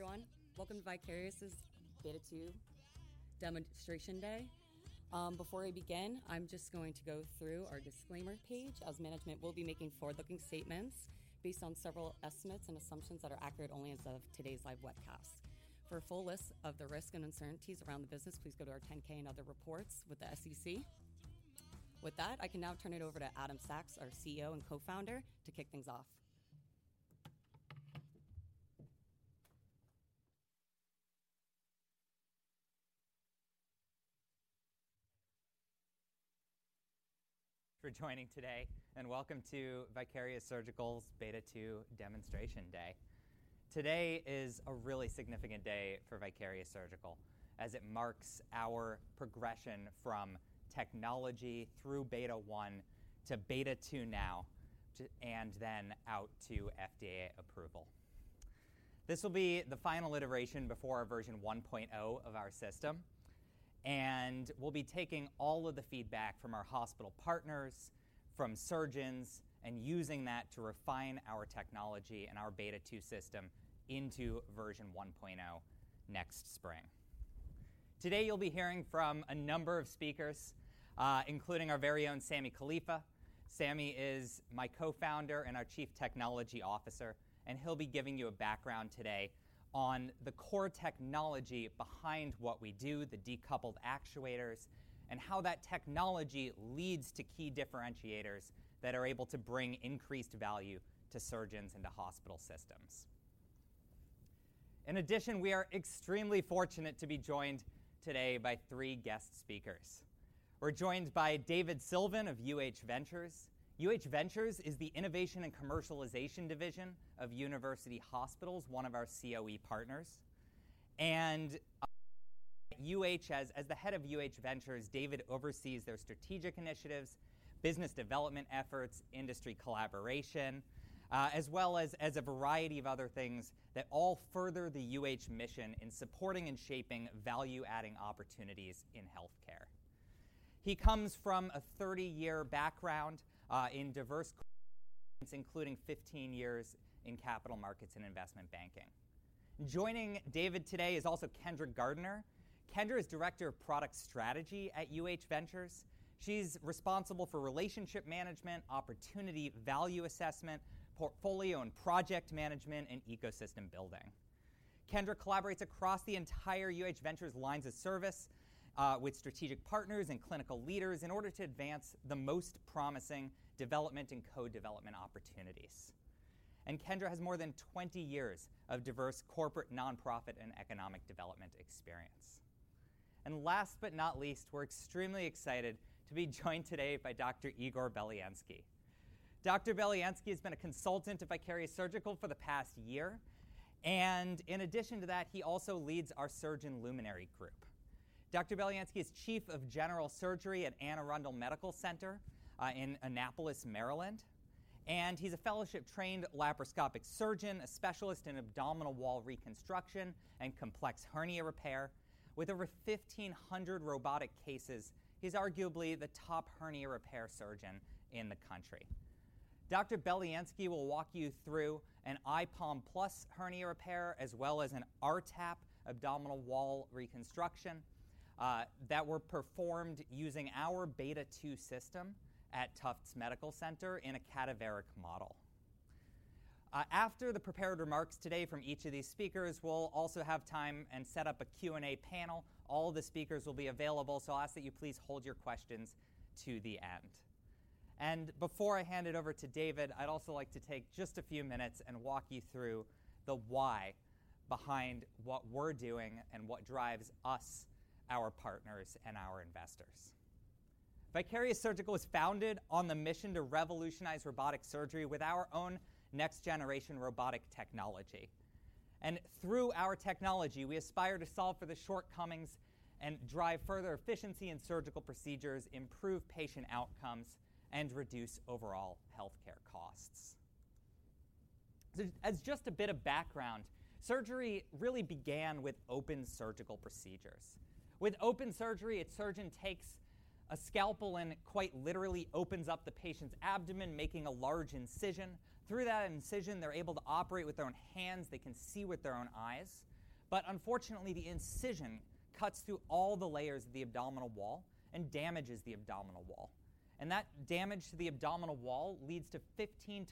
Everyone, welcome to Vicarious' Beta 2 Demonstration Day. Before we begin, I'm just going to go through our disclaimer page, as management will be making forward-looking statements based on several estimates and assumptions that are accurate only as of today's live webcast. For a full list of the risks and uncertainties around the business, please go to our 10-K and other reports with the SEC. With that, I can now turn it over to Adam Sachs, our CEO and Co-Founder, to kick things off. For joining today, and Welcome to Vicarious Surgical's Beta 2 Demonstration Day. Today is a really significant day for Vicarious Surgical as it marks our progression from technology through Beta 1 to Beta 2 and then out to FDA approval. This will be the final iteration before our V1.0 of our system. We'll be taking all of the feedback from our hospital partners, from surgeons, and using that to refine our technology and our Beta 2 system into V1.0 next spring. Today, you'll be hearing from a number of speakers, including our very own Sammy Khalifa. Sammy is my Co-Founder and our Chief Technology Officer, and he'll be giving you a background today on the core technology behind what we do, the decoupled actuators, and how that technology leads to key differentiators that are able to bring increased value to surgeons and to hospital systems. In addition, we are extremely fortunate to be joined today by three guest speakers. We're joined by David Sylvan of UH Ventures. UH Ventures is the innovation and commercialization division of University Hospitals, one of our COE partners. As the Head of UH Ventures, David oversees their strategic initiatives, business development efforts, industry collaboration, as well as a variety of other things that all further the UH mission in supporting and shaping value-adding opportunities in healthcare. He comes from a 30-year background in diverse including 15 years in capital markets and investment banking. Joining David today is also Kendra Gardiner. Kendra is Director of Product Strategy at UH Ventures. She's responsible for relationship management, opportunity value assessment, portfolio and project management, and ecosystem building. Kendra collaborates across the entire UH Ventures lines of service, with strategic partners and clinical leaders in order to advance the most promising development and co-development opportunities. Kendra has more than 20 years of diverse corporate, nonprofit, and economic development experience. Last but not least, we're extremely excited to be joined today by Dr. Igor Belyansky. Dr. Belyansky has been a consultant of Vicarious Surgical for the past year, and in addition to that, he also leads our surgeon luminary group. Dr. Belyansky is Chief of General Surgery at Anne Arundel Medical Center, in Annapolis, Maryland, and he's a fellowship-trained laparoscopic surgeon, a specialist in abdominal wall reconstruction and complex hernia repair. With over 1,500 robotic cases, he's arguably the top hernia repair surgeon in the country. Dr. Belyansky will walk you through an IPOM-plus hernia repair, as well as an r-TAPP abdominal wall reconstruction that were performed using our Beta 2 system at Tufts Medical Center in a cadaveric model. After the prepared remarks today from each of these speakers, we'll also have time and set up a Q&A panel. All the speakers will be available, I ask that you please hold your questions to the end. Before I hand it over to David, I'd also like to take just a few minutes and walk you through the why behind what we're doing and what drives us, our partners, and our investors. Vicarious Surgical was founded on the mission to revolutionize robotic surgery with our own next-generation robotic technology. Through our technology, we aspire to solve for the shortcomings and drive further efficiency in surgical procedures, improve patient outcomes, and reduce overall healthcare costs. As just a bit of background, surgery really began with open surgical procedures. With open surgery, a surgeon takes a scalpel and quite literally opens up the patient's abdomen, making a large incision. Through that incision, they're able to operate with their own hands, they can see with their own eyes. Unfortunately, the incision cuts through all the layers of the abdominal wall and damages the abdominal wall. That damage to the abdominal wall leads to 15%-20%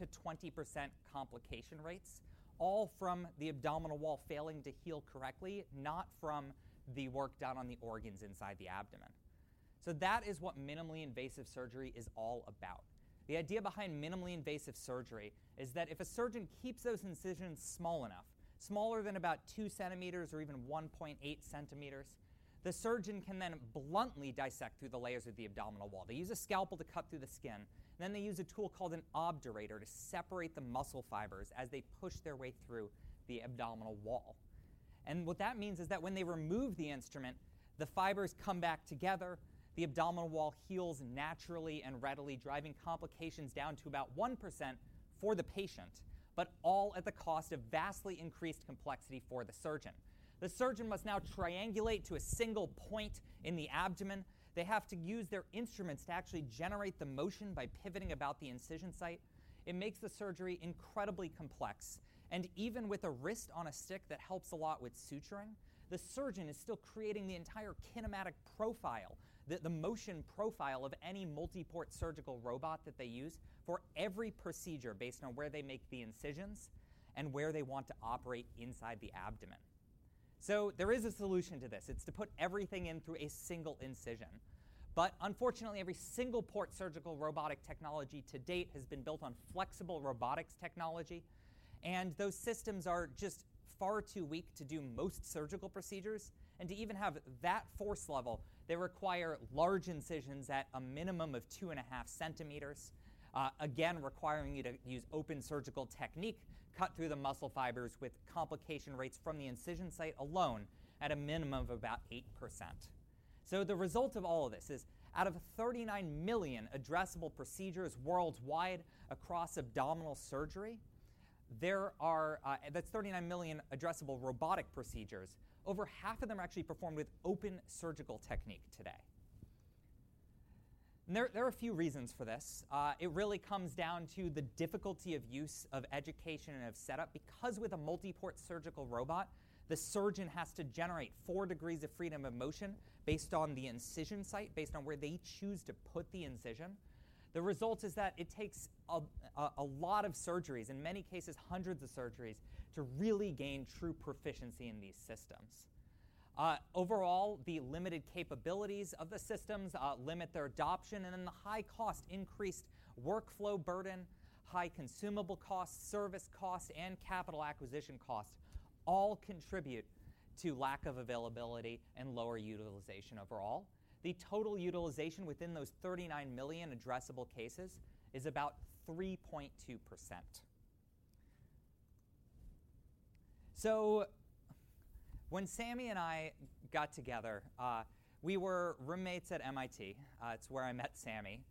complication rates, all from the abdominal wall failing to heal correctly, not from the work done on the organs inside the abdomen. That is what minimally invasive surgery is all about. The idea behind minimally invasive surgery is that if a surgeon keeps those incisions small enough, smaller than about 2 cm or even 1.8 cm, the surgeon can then bluntly dissect through the layers of the abdominal wall. They use a scalpel to cut through the skin, then they use a tool called an obturator to separate the muscle fibers as they push their way through the abdominal wall. What that means is that when they remove the instrument, the fibers come back together, the abdominal wall heals naturally and readily, driving complications down to about 1% for the patient, but all at the cost of vastly increased complexity for the surgeon. The surgeon must now triangulate to a single point in the abdomen. They have to use their instruments to actually generate the motion by pivoting about the incision site. It makes the surgery incredibly complex. Even with a wrist on a stick that helps a lot with suturing, the surgeon is still creating the entire kinematic profile, the motion profile of any multi-port surgical robot that they use for every procedure based on where they make the incisions and where they want to operate inside the abdomen. There is a solution to this. It's to put everything in through a single incision. Unfortunately, every single port surgical robotic technology to date has been built on flexible robotics technology, and those systems are just far too weak to do most surgical procedures and to even have that force level, they require large incisions at a minimum of 2.5 cm, again, requiring you to use open surgical technique, cut through the muscle fibers with complication rates from the incision site alone at a minimum of about 8%. The result of all of this is out of 39 million addressable procedures worldwide across abdominal surgery, there are 39 million addressable robotic procedures, over half of them are actually performed with open surgical technique today. There are a few reasons for this. It really comes down to the difficulty of use of education and of setup, because with a multi-port surgical robot, the surgeon has to generate 4 degrees of freedom of motion based on the incision site, based on where they choose to put the incision. The result is that it takes a lot of surgeries, in many cases hundreds of surgeries, to really gain true proficiency in these systems. Overall, the limited capabilities of the systems limit their adoption, the high cost, increased workflow burden, high consumable costs, service costs, and capital acquisition costs all contribute to lack of availability and lower utilization overall. The total utilization within those 39 million addressable cases is about 3.2%. When Sammy and I got together, we were roommates at MIT. It's where I met Sammy.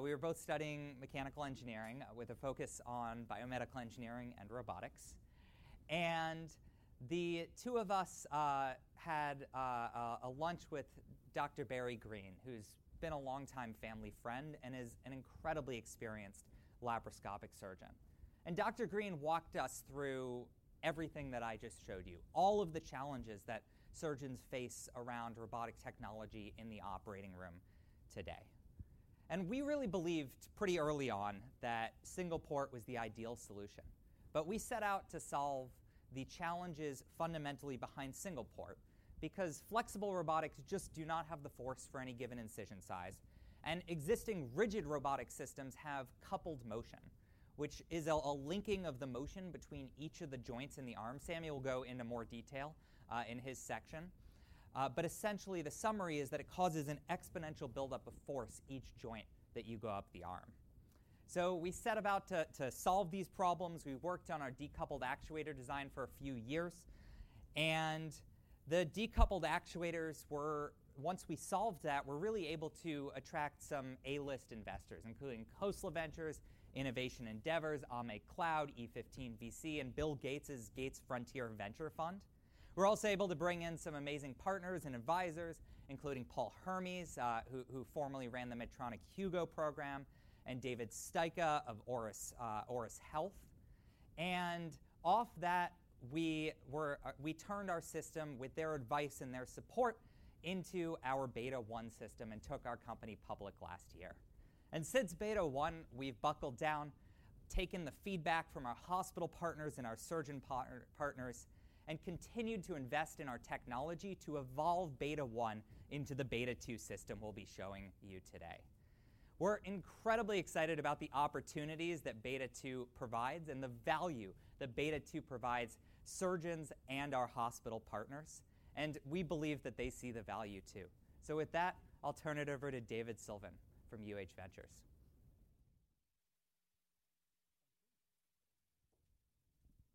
We were both studying mechanical engineering with a focus on biomedical engineering and robotics. The two of us had a lunch with Dr. Barry Greene, who's been a longtime family friend and is an incredibly experienced laparoscopic surgeon. Dr. Greene walked us through everything that I just showed you, all of the challenges that surgeons face around robotic technology in the operating room today. We really believed pretty early on that single port was the ideal solution. We set out to solve the challenges fundamentally behind single port because flexible robotics just do not have the force for any given incision size. Existing rigid robotic systems have coupled motion, which is a linking of the motion between each of the joints in the arm. Sammy will go into more detail in his section. Essentially, the summary is that it causes an exponential buildup of force each joint that you go up the arm. We set about to solve these problems. We worked on our decoupled actuator design for a few years. Once we solved that, we're really able to attract some A-list investors, including Khosla Ventures, Innovation Endeavors, AME Cloud, E15 VC, and Bill Gates' Gates Frontier venture fund. We're also able to bring in some amazing partners and advisors, including Paul Hermes, who formerly ran the Medtronic Hugo program, and David Styka of Auris Health. Off that, we turned our system with their advice and their support into our Beta-1 system and took our company public last year. Since Beta 1, we've buckled down, taken the feedback from our hospital partners and our surgeon partners, and continued to invest in our technology to evolve Beta 1 into the Beta 2 system we'll be showing you today. We're incredibly excited about the opportunities that Beta 2 provides and the value that Beta 2 provides surgeons and our hospital partners, and we believe that they see the value too. With that, I'll turn it over to David Sylvan from UH Ventures.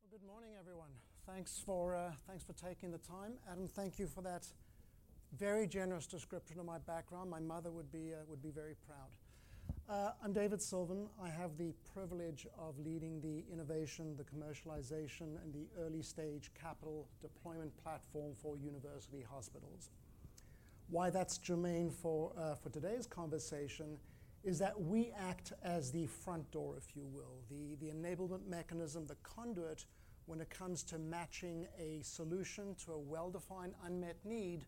Well, good morning, everyone. Thanks for, thanks for taking the time. Adam, thank you for that very generous description of my background. My mother would be, would be very proud. I'm David Sylvan. I have the privilege of leading the innovation, the commercialization, and the early-stage capital deployment platform for University Hospitals. Why that's germane for today's conversation is that we act as the front door, if you will, the enablement mechanism, the conduit when it comes to matching a solution to a well-defined unmet need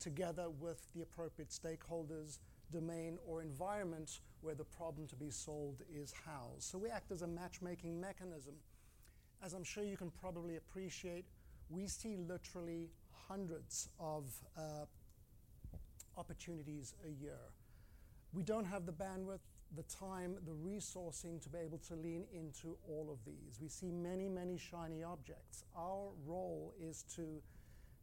together with the appropriate stakeholders, domain, or environment where the problem to be solved is housed. We act as a matchmaking mechanism. As I'm sure you can probably appreciate, we see literally hundreds of opportunities a year. We don't have the bandwidth, the time, the resourcing to be able to lean into all of these. We see many, many shiny objects. Our role is to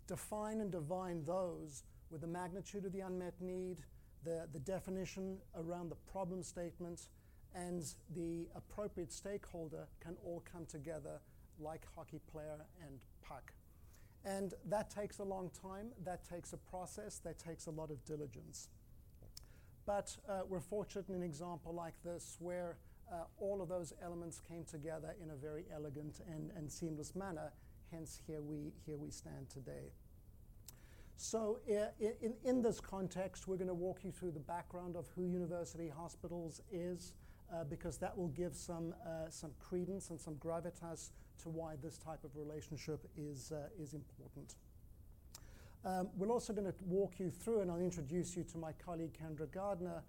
define and divine those with the magnitude of the unmet need, the definition around the problem statement, and the appropriate stakeholder can all come together like hockey player and puck. That takes a long time, that takes a process, that takes a lot of diligence. We're fortunate in an example like this where all of those elements came together in a very elegant and seamless manner, hence here we stand today. In this context, we're gonna walk you through the background of who University Hospitals is, because that will give some credence and some gravitas to why this type of relationship is important. We're also gonna walk you through, and I'll introduce you to my colleague, Kendra Gardiner,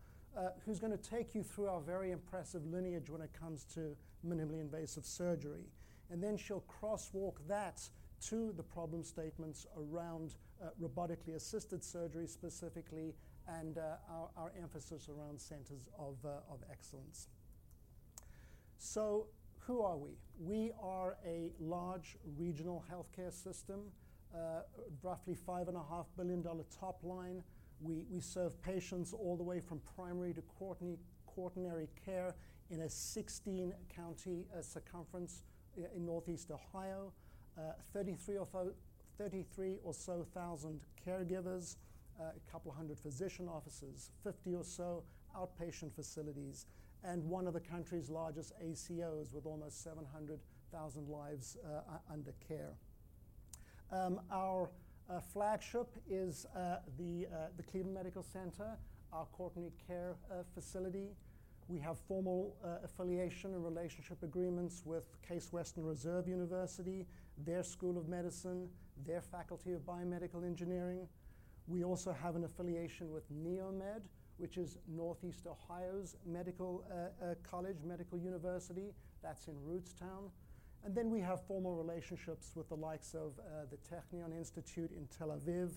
who's gonna take you through our very impressive lineage when it comes to minimally invasive surgery. Then she'll cross-walk that to the problem statements around robotically assisted surgery specifically and our emphasis around centers of excellence. Who are we? We are a large regional healthcare system, roughly $5.5 billion top line. We serve patients all the way from primary to quaternary care in a 16-county circumference in Northeast Ohio. 33 or so thousand caregivers, a couple hundred physician offices, 50 or so outpatient facilities, and one of the country's largest ACOs with almost 700,000 lives under care. Our flagship is the Cleveland Medical Center, our quaternary care facility. We have formal affiliation and relationship agreements with Case Western Reserve University, their School of Medicine, their Faculty of Biomedical Engineering. We also have an affiliation with NEOMED, which is Northeast Ohio's Medical College, Medical University. That's in Rootstown. We have formal relationships with the likes of the Technion Institute in Tel Aviv,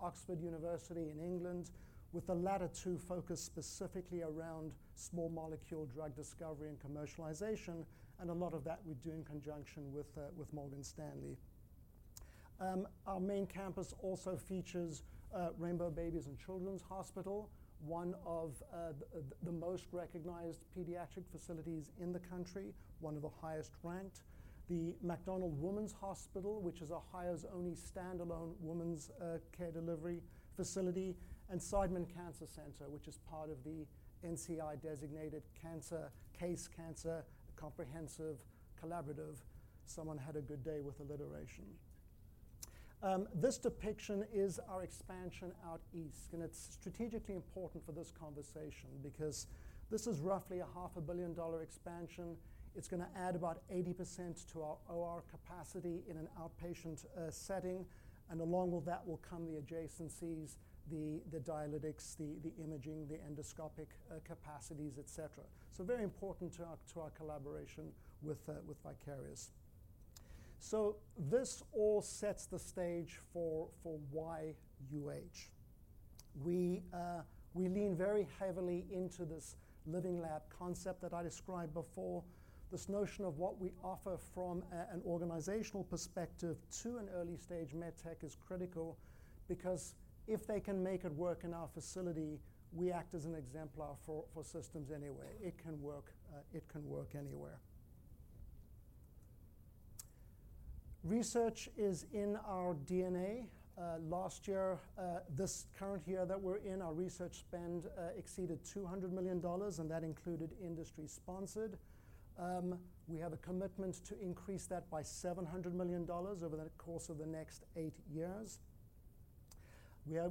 Oxford University in England, with the latter two focused specifically around small molecule drug discovery and commercialization, and a lot of that we do in conjunction with Morgan Stanley. Our main campus also features Rainbow Babies & Children's Hospital, one of the most recognized pediatric facilities in the country, one of the highest ranked. The MacDonald Women's Hospital, which is Ohio's only standalone women's care delivery facility, and Seidman Cancer Center, which is part of the NCI-designated case cancer comprehensive collaborative. Someone had a good day with alliteration. This depiction is our expansion out east, it's strategically important for this conversation because this is roughly a half a billion dollar expansion. It's gonna add about 80% to our OR capacity in an outpatient setting, along with that will come the adjacencies, the dialytics, the imaging, the endoscopic capacities, et cetera. Very important to our collaboration with Vicarious Surgical. This all sets the stage for why UH. We lean very heavily into this living lab concept that I described before. This notion of what we offer from an organizational perspective to an early-stage med tech is critical because if they can make it work in our facility, we act as an exemplar for systems anyway. It can work, it can work anywhere. Research is in our DNA. Last year, this current year that we're in, our research spend exceeded $200 million, and that included industry-sponsored. We have a commitment to increase that by $700 million over the course of the next eight years.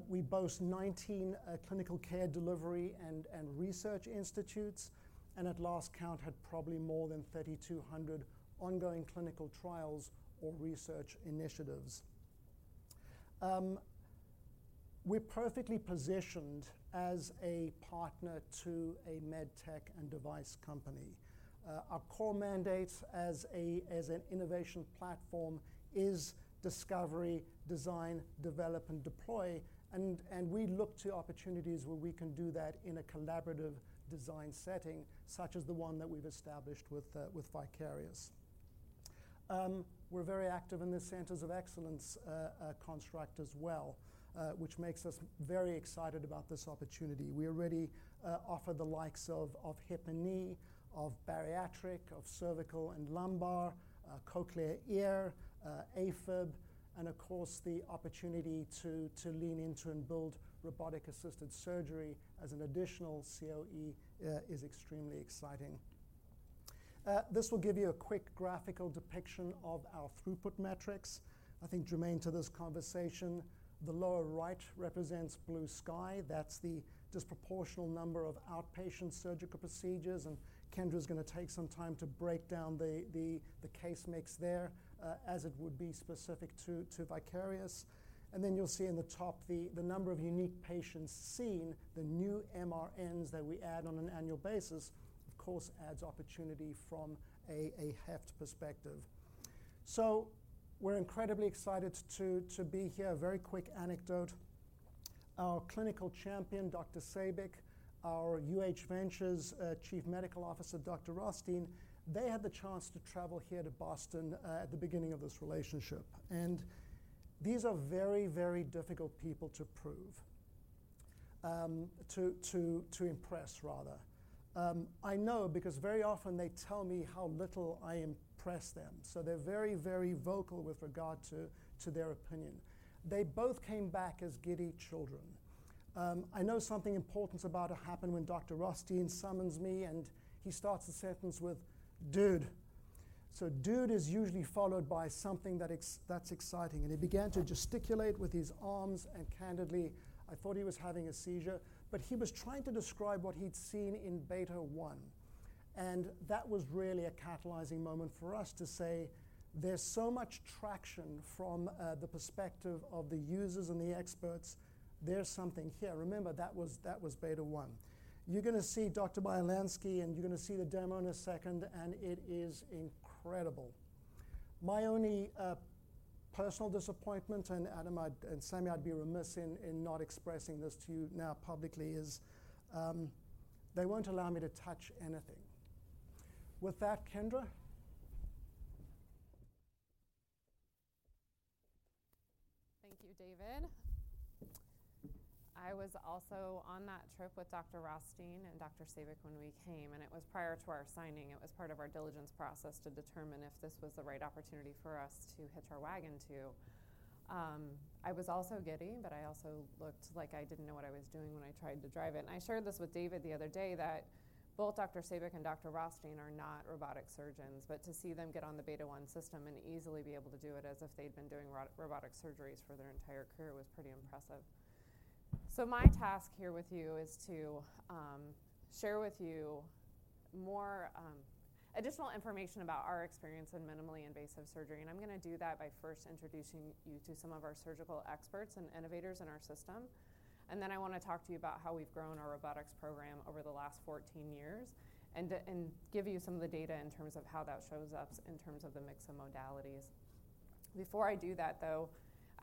We boast 19 clinical care delivery and research institutes, and at last count had probably more than 3,200 ongoing clinical trials or research initiatives. We're perfectly positioned as a partner to a med tech and device company. Our core mandate as an innovation platform is discovery, design, develop, and deploy, and we look to opportunities where we can do that in a collaborative design setting, such as the one that we've established with Vicarious. We're very active in the centers of excellence construct as well, which makes us very excited about this opportunity. We already offer the likes of hip and knee, of bariatric, of cervical and lumbar, cochlear ear, AFib, and of course, the opportunity to lean into and build robotic assisted surgery as an additional COE is extremely exciting. This will give you a quick graphical depiction of our throughput metrics. I think germane to this conversation, the lower right represents blue sky. That's the disproportional number of outpatient surgical procedures. Kendra's gonna take some time to break down the case mix there, as it would be specific to Vicarious. Then you'll see in the top the number of unique patients seen. The new MRNs that we add on an annual basis, of course, adds opportunity from a heft perspective. We're incredibly excited to be here. Very quick anecdote. Our clinical champion, Dr. Sabik, our UH Ventures Chief Medical Officer, Dr. Rothstein, they had the chance to travel here to Boston at the beginning of this relationship. These are very, very difficult people to impress, rather. I know because very often they tell me how little I impress them. They're very, very vocal with regard to their opinion. They both came back as giddy children. I know something important's about to happen when Dr. Rothstein summons me, and he starts the sentence with, "Dude." "Dude" is usually followed by something that's exciting. He began to gesticulate with his arms, and candidly, I thought he was having a seizure, but he was trying to describe what he'd seen in Beta 1. That was really a catalyzing moment for us to say there's so much traction from the perspective of the users and the experts, there's something here. Remember, that was, that was Beta 1. You're gonna see Dr. Belyansky, and you're gonna see the demo in a second, and it is incredible. My only personal disappointment, and Adam and Sammy, I'd be remiss in not expressing this to you now publicly, is they won't allow me to touch anything. With that, Kendra? Thank you, David. I was also on that trip with Dr. Rothstein and Dr. Sabik when we came, and it was prior to our signing. It was part of our diligence process to determine if this was the right opportunity for us to hitch our wagon to. I was also giddy, but I also looked like I didn't know what I was doing when I tried to drive it. I shared this with David the other day that both Dr. Sabik and Dr. Rothstein are not robotic surgeons, but to see them get on the Beta 1 system and easily be able to do it as if they'd been doing robotic surgeries for their entire career was pretty impressive. My task here with you is to share with you more additional information about our experience in minimally invasive surgery, and I'm gonna do that by first introducing you to some of our surgical experts and innovators in our system. I wanna talk to you about how we've grown our robotics program over the last 14 years and give you some of the data in terms of how that shows up in terms of the mix of modalities. Before I do that, though,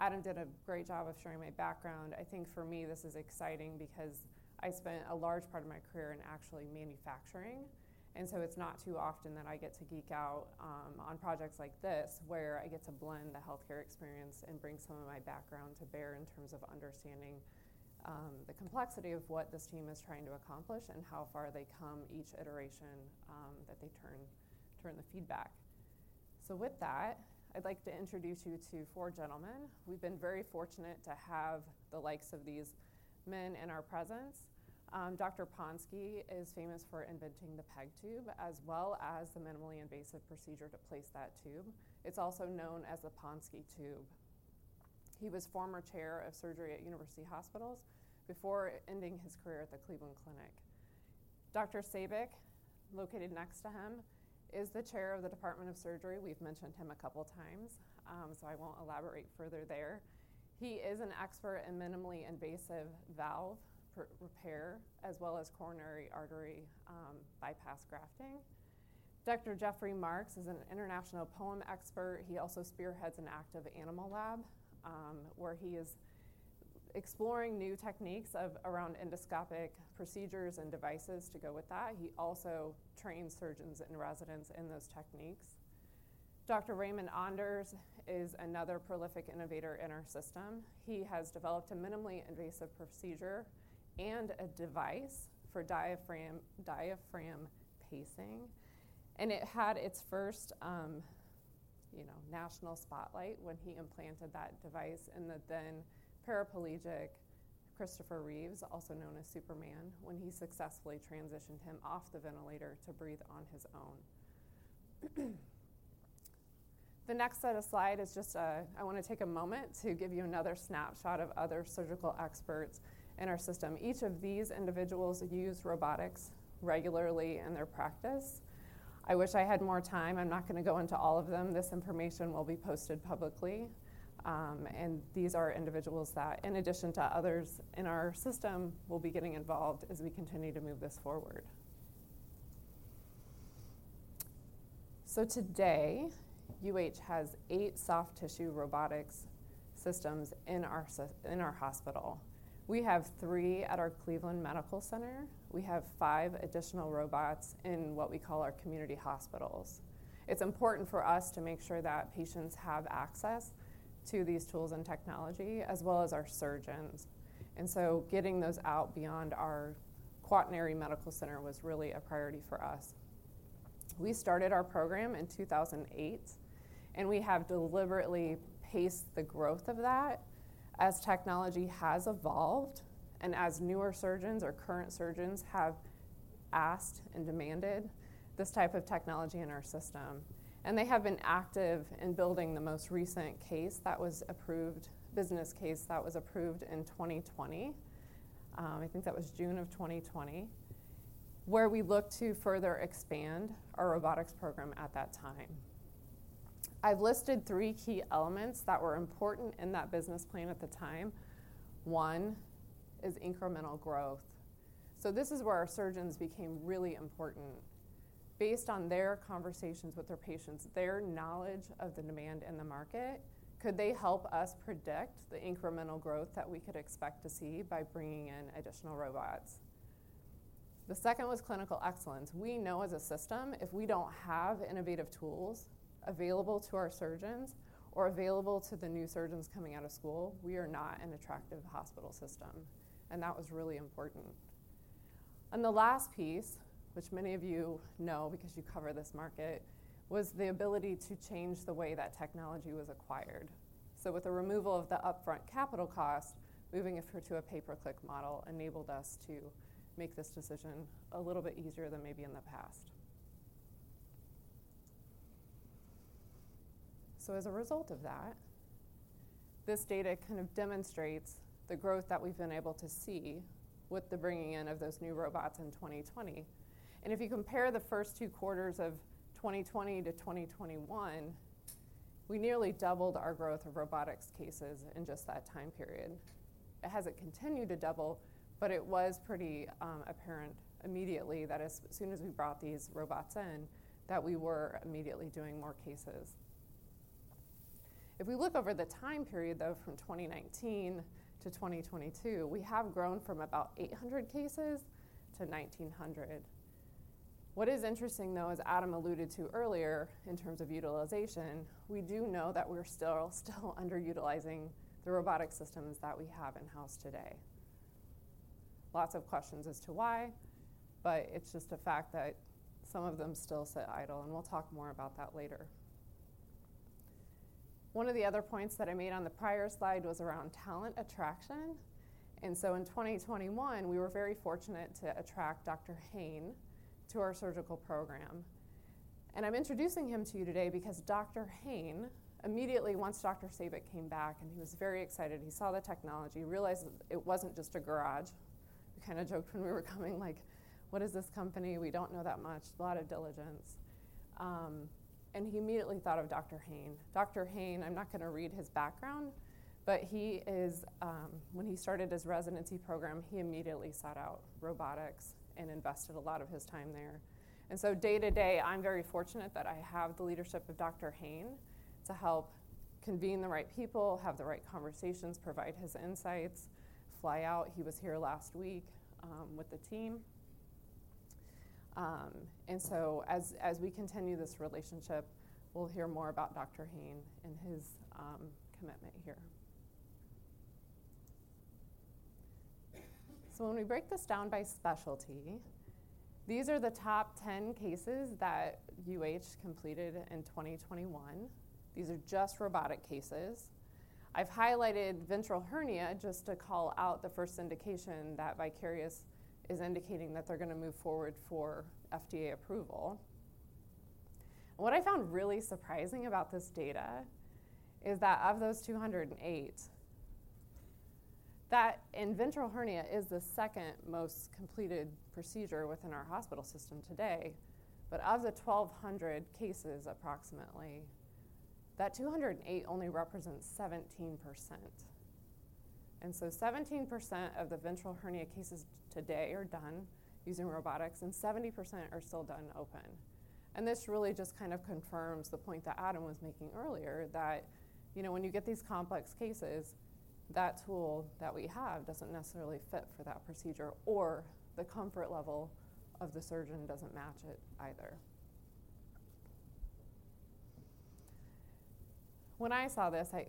Adam did a great job of sharing my background. I think for me, this is exciting because I spent a large part of my career in actually manufacturing. It's not too often that I get to geek out on projects like this where I get to blend the healthcare experience and bring some of my background to bear in terms of understanding the complexity of what this team is trying to accomplish and how far they come each iteration that they turn the feedback. With that, I'd like to introduce you to four gentlemen. We've been very fortunate to have the likes of these men in our presence. Dr. Ponsky is famous for inventing the PEG tube, as well as the minimally invasive procedure to place that tube. It's also known as the Ponsky tube. He was Former Chair of Surgery at University Hospitals before ending his career at the Cleveland Clinic. Dr. Sabik, located next to him, is the Chair of the Department of Surgery. We've mentioned him a couple times, I won't elaborate further there. He is an expert in minimally invasive valve re-repair, as well as coronary artery bypass grafting. Dr. Jeffrey Marks is an international POEM expert. He also spearheads an active animal lab, where he is exploring new techniques around endoscopic procedures and devices to go with that. He also trains surgeons and residents in those techniques. Dr. Raymond Onders is another prolific innovator in our system. He has developed a minimally invasive procedure and a device for diaphragm pacing, it had its first, you know, national spotlight when he implanted that device in the then paraplegic Christopher Reeve, also known as Superman, when he successfully transitioned him off the ventilator to breathe on his own. The next set of slide is just, I wanna take a moment to give you another snapshot of other surgical experts in our system. Each of these individuals use robotics regularly in their practice. I wish I had more time. I'm not gonna go into all of them. This information will be posted publicly. These are individuals that, in addition to others in our system, will be getting involved as we continue to move this forward. Today, UH has eight soft tissue robotics systems in our hospital. We have three at our Cleveland Medical Center. We have five additional robots in what we call our community hospitals. It's important for us to make sure that patients have access to these tools and technology, as well as our surgeons. Getting those out beyond our quaternary medical center was really a priority for us. We started our program in 2008, and we have deliberately paced the growth of that as technology has evolved and as newer surgeons or current surgeons have asked and demanded this type of technology in our system. They have been active in building the most recent business case that was approved in 2020, I think that was June 2020, where we looked to further expand our robotics program at that time. I've listed three key elements that were important in that business plan at the time. One is incremental growth. This is where our surgeons became really important. Based on their conversations with their patients, their knowledge of the demand in the market, could they help us predict the incremental growth that we could expect to see by bringing in additional robots? The second was clinical excellence. We know as a system if we don't have innovative tools available to our surgeons or available to the new surgeons coming out of school, we are not an attractive hospital system, and that was really important. The last piece, which many of you know because you cover this market, was the ability to change the way that technology was acquired. With the removal of the upfront capital cost, moving it through to a pay-per-click model enabled us to make this decision a little bit easier than maybe in the past. As a result of that, this data kind of demonstrates the growth that we've been able to see with the bringing in of those new robots in 2020. If you compare the first two quarters of 2020-2021, we nearly doubled our growth of robotics cases in just that time period. It hasn't continued to double, but it was pretty apparent immediately that as soon as we brought these robots in, that we were immediately doing more cases. If we look over the time period, though, from 2019-2022, we have grown from about 800 cases to 1,900. What is interesting, though, as Adam alluded to earlier in terms of utilization, we do know that we're still underutilizing the robotic systems that we have in-house today. Lots of questions as to why, but it's just a fact that some of them still sit idle, and we'll talk more about that later. One of the other points that I made on the prior slide was around talent attraction. In 2021, we were very fortunate to attract Dr. Haynes to our surgical program. I'm introducing him to you today because Dr. Haynes immediately, once Dr. Sabik came back and he was very excited, he saw the technology, realized it wasn't just a garage. We kind of joked when we were coming like, "What is this company? We don't know that much." A lot of diligence. He immediately thought of Dr. Haynes. Dr. Haynes, I'm not going to read his background, but he is. When he started his residency program, he immediately sought out robotics and invested a lot of his time there. Day to day, I'm very fortunate that I have the leadership of Dr. Haynes to help convene the right people, have the right conversations, provide his insights, fly out. He was here last week with the team. As we continue this relationship, we'll hear more about Dr. Haynes and his commitment here. When we break this down by specialty, these are the top 10 cases that UH completed in 2021. These are just robotic cases. I've highlighted ventral hernia just to call out the first indication that Vicarious is indicating that they're gonna move forward for FDA approval. What I found really surprising about this data is that of those 208, ventral hernia is the second most completed procedure within our hospital system today, but of the 1,200 cases approximately, that 208 only represents 17%. 17% of the ventral hernia cases today are done using robotics, and 70% are still done open. This really just kind of confirms the point that Adam was making earlier that, you know, when you get these complex cases, that tool that we have doesn't necessarily fit for that procedure or the comfort level of the surgeon doesn't match it either.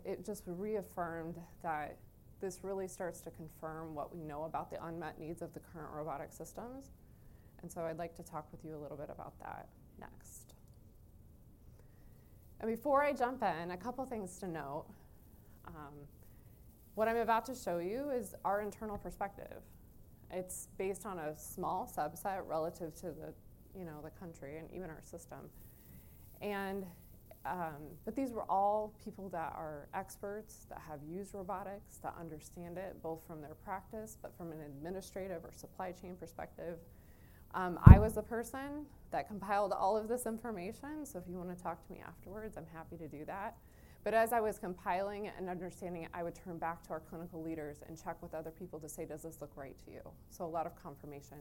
It just reaffirmed that this really starts to confirm what we know about the unmet needs of the current robotic systems. I'd like to talk with you a little bit about that next. Before I jump in, a couple things to note. What I'm about to show you is our internal perspective. It's based on a small subset relative to the, you know, the country and even our system. These were all people that are experts, that have used robotics, that understand it, both from their practice, but from an administrative or supply chain perspective. I was the person that compiled all of this information, so if you wanna talk to me afterwards, I'm happy to do that. As I was compiling it and understanding it, I would turn back to our clinical leaders and check with other people to say, "Does this look right to you?" A lot of confirmation.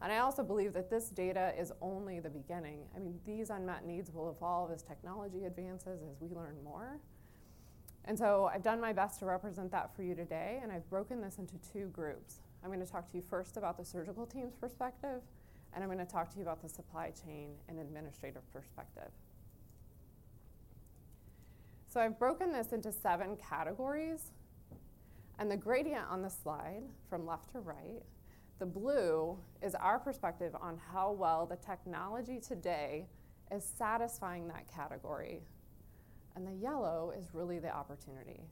I also believe that this data is only the beginning. I mean, these unmet needs will evolve as technology advances, as we learn more. I've done my best to represent that for you today, and I've broken this into two groups. I'm gonna talk to you first about the surgical team's perspective, and I'm gonna talk to you about the supply chain and administrative perspective. I've broken this into seven categories, and the gradient on the slide from left to right, the blue is our perspective on how well the technology today is satisfying that category, and the yellow is really the opportunity.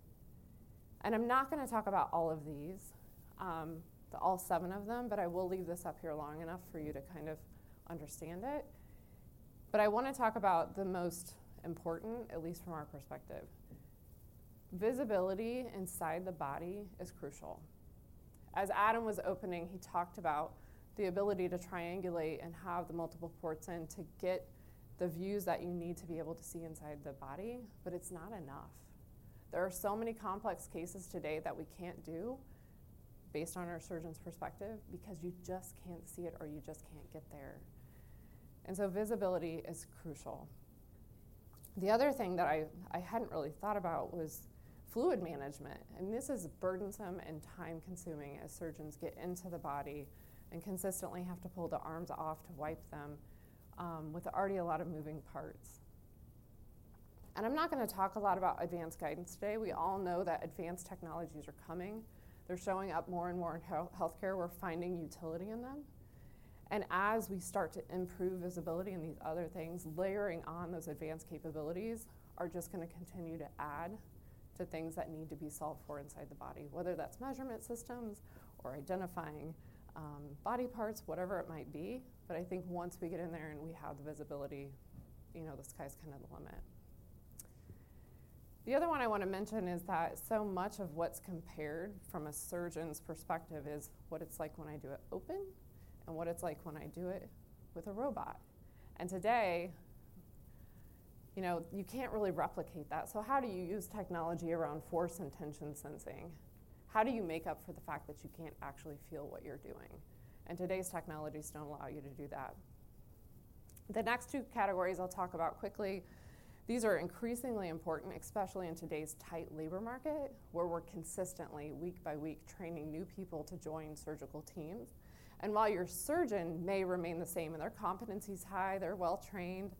I'm not gonna talk about all of these, all seven of them, but I will leave this up here long enough for you to kind of understand it. I wanna talk about the most important, at least from our perspective. Visibility inside the body is crucial. As Adam was opening, he talked about the ability to triangulate and have the multiple ports in to get the views that you need to be able to see inside the body. It's not enough. There are so many complex cases today that we can't do based on our surgeon's perspective because you just can't see it or you just can't get there. Visibility is crucial. The other thing that I hadn't really thought about was fluid management. This is burdensome and time-consuming as surgeons get into the body and consistently have to pull the arms off to wipe them with already a lot of moving parts. I'm not gonna talk a lot about advanced guidance today. We all know that advanced technologies are coming. They're showing up more and more in healthcare. We're finding utility in them. As we start to improve visibility in these other things, layering on those advanced capabilities are just gonna continue to add to things that need to be solved for inside the body, whether that's measurement systems or identifying, body parts, whatever it might be. I think once we get in there and we have the visibility, you know, the sky's kinda the limit. The other one I wanna mention is that so much of what's compared from a surgeon's perspective is what it's like when I do it open and what it's like when I do it with a robot. Today, you know, you can't really replicate that. How do you use technology around force and tension sensing? How do you make up for the fact that you can't actually feel what you're doing? Today's technologies don't allow you to do that. The next two categories I'll talk about quickly. These are increasingly important, especially in today's tight labor market, where we're consistently, week by week, training new people to join surgical teams. While your surgeon may remain the same, and their competency is high, they're well-trained,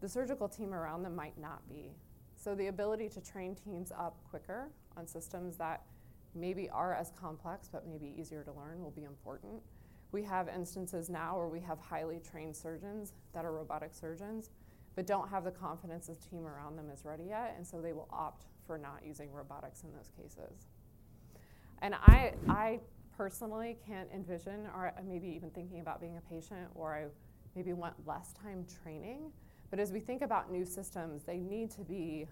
the surgical team around them might not be. The ability to train teams up quicker on systems that maybe aren't as complex, but maybe easier to learn will be important. We have instances now where we have highly trained surgeons that are robotic surgeons, but don't have the confidence the team around them is ready yet, and so they will opt for not using robotics in those cases. I personally can't envision, or maybe even thinking about being a patient, or I maybe want less time training. As we think about new systems, they need to be,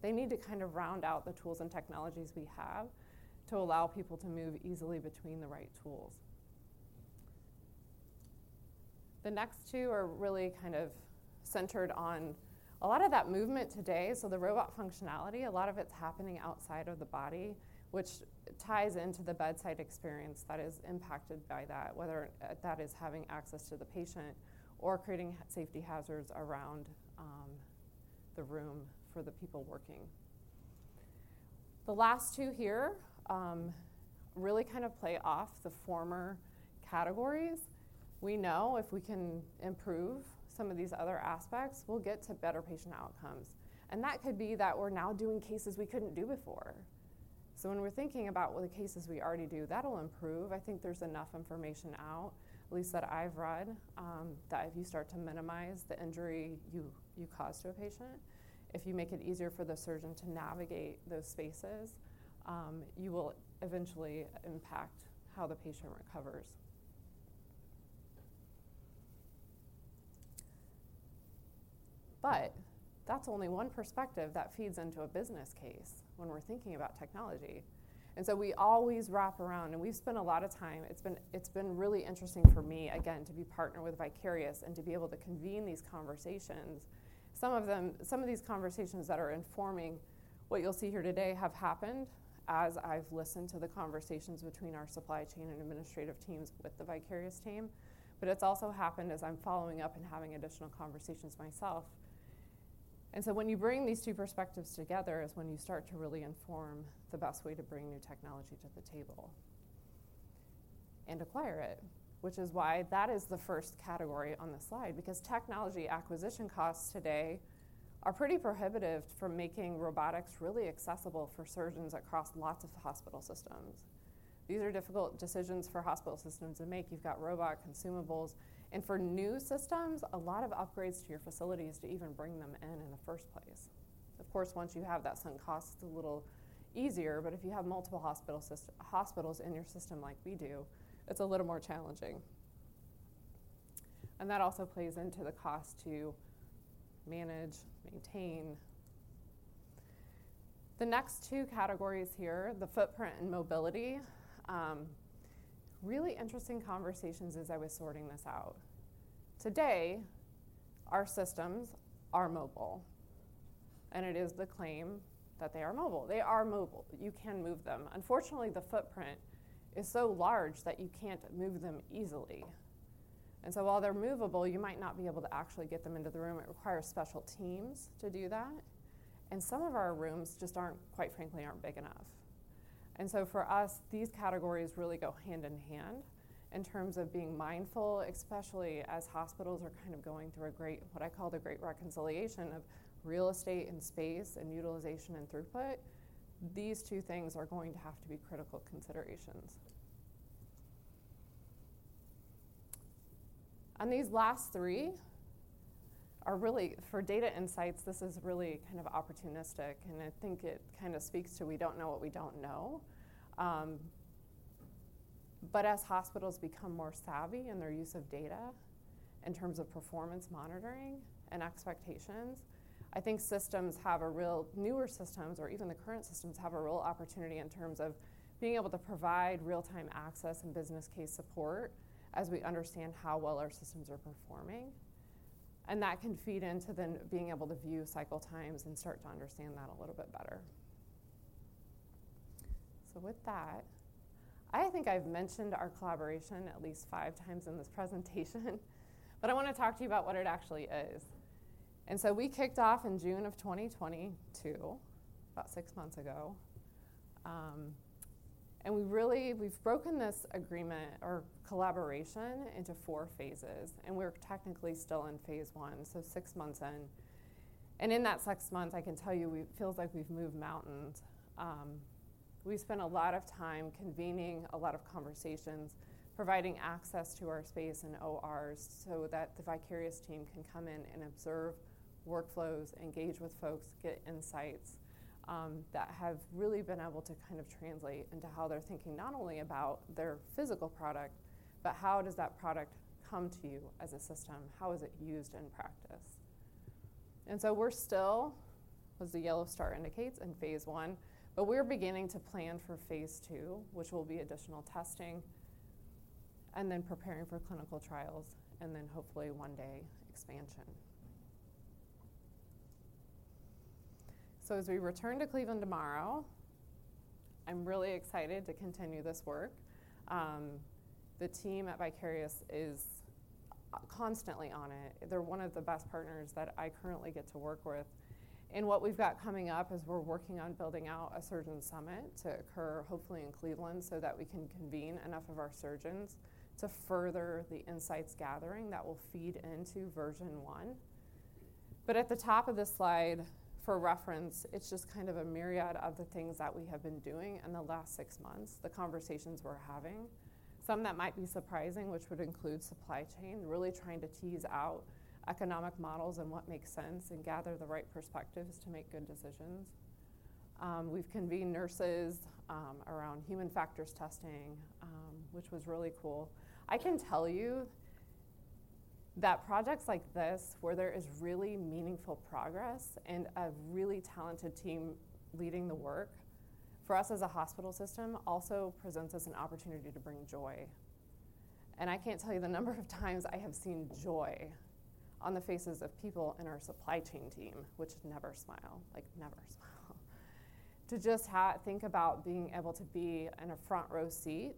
they need to kind of round out the tools and technologies we have to allow people to move easily between the right tools. The next two are really kind of centered on a lot of that movement today. The robot functionality, a lot of it's happening outside of the body, which ties into the bedside experience that is impacted by that, whether that is having access to the patient or creating safety hazards around the room for the people working. The last two here, really kind of play off the former categories. We know if we can improve some of these other aspects, we'll get to better patient outcomes. That could be that we're now doing cases we couldn't do before. When we're thinking about the cases we already do, that'll improve. I think there's enough information out, at least that I've read, that if you start to minimize the injury you cause to a patient, if you make it easier for the surgeon to navigate those spaces, you will eventually impact how the patient recovers. That's only one perspective that feeds into a business case when we're thinking about technology. We always wrap around, and we've spent a lot of time. It's been really interesting for me, again, to be partnered with Vicarious and to be able to convene these conversations. Some of these conversations that are informing what you'll see here today have happened as I've listened to the conversations between our supply chain and administrative teams with the Vicarious team. It's also happened as I'm following up and having additional conversations myself. When you bring these two perspectives together is when you start to really inform the best way to bring new technology to the table and acquire it, which is why that is the first category on the slide, because technology acquisition costs today are pretty prohibitive from making robotics really accessible for surgeons across lots of hospital systems. These are difficult decisions for hospital systems to make. You've got robot consumables, and for new systems, a lot of upgrades to your facilities to even bring them in in the first place. Of course, once you have that sunk cost, it's a little easier, but if you have multiple hospitals in your system like we do, it's a little more challenging. That also plays into the cost to manage, maintain. The next two categories here, the footprint and mobility, really interesting conversations as I was sorting this out. Today, our systems are mobile, and it is the claim that they are mobile. They are mobile. You can move them. Unfortunately, the footprint is so large that you can't move them easily. While they're movable, you might not be able to actually get them into the room. It requires special teams to do that. Some of our rooms just aren't, quite frankly, aren't big enough. For us, these categories really go hand in hand in terms of being mindful, especially as hospitals are kind of going through a great, what I call the great reconciliation of real estate and space and utilization and throughput. These two things are going to have to be critical considerations. These last three are really, for data insights, this is really kind of opportunistic, and I think it kind of speaks to we don't know what we don't know. As hospitals become more savvy in their use of data in terms of performance monitoring and expectations, I think systems newer systems or even the current systems have a real opportunity in terms of being able to provide real-time access and business case support as we understand how well our systems are performing. That can feed into then being able to view cycle times and start to understand that a little bit better. With that, I think I've mentioned our collaboration at least five times in this presentation, but I wanna talk to you about what it actually is. We kicked off in June of 2022, about six months ago. We've broken this agreement or collaboration into four phases, and we're technically still in phase one, so six months in. In that six months, I can tell you, it feels like we've moved mountains. We've spent a lot of time convening a lot of conversations, providing access to our space and ORs so that the Vicarious team can come in and observe workflows, engage with folks, get insights, that have really been able to kind of translate into how they're thinking not only about their physical product but how does that product come to you as a system? How is it used in practice? We're still, as the yellow star indicates, in phase one, but we're beginning to plan for phase two, which will be additional testing and then preparing for clinical trials and then hopefully one day expansion. As we return to Cleveland tomorrow, I'm really excited to continue this work. The team at Vicarious is constantly on it. They're one of the best partners that I currently get to work with. What we've got coming up is we're working on building out a surgeon summit to occur hopefully in Cleveland so that we can convene enough of our surgeons to further the insights gathering that will feed into V1. At the top of this slide, for reference, it's just kind of a myriad of the things that we have been doing in the last six months, the conversations we're having. Some that might be surprising, which would include supply chain, really trying to tease out economic models and what makes sense and gather the right perspectives to make good decisions. We've convened nurses around human factors testing, which was really cool. I can tell you that projects like this, where there is really meaningful progress and a really talented team leading the work, for us as a hospital system also presents us an opportunity to bring joy. I can't tell you the number of times I have seen joy on the faces of people in our supply chain team, which never smile, like never smile, to just think about being able to be in a front row seat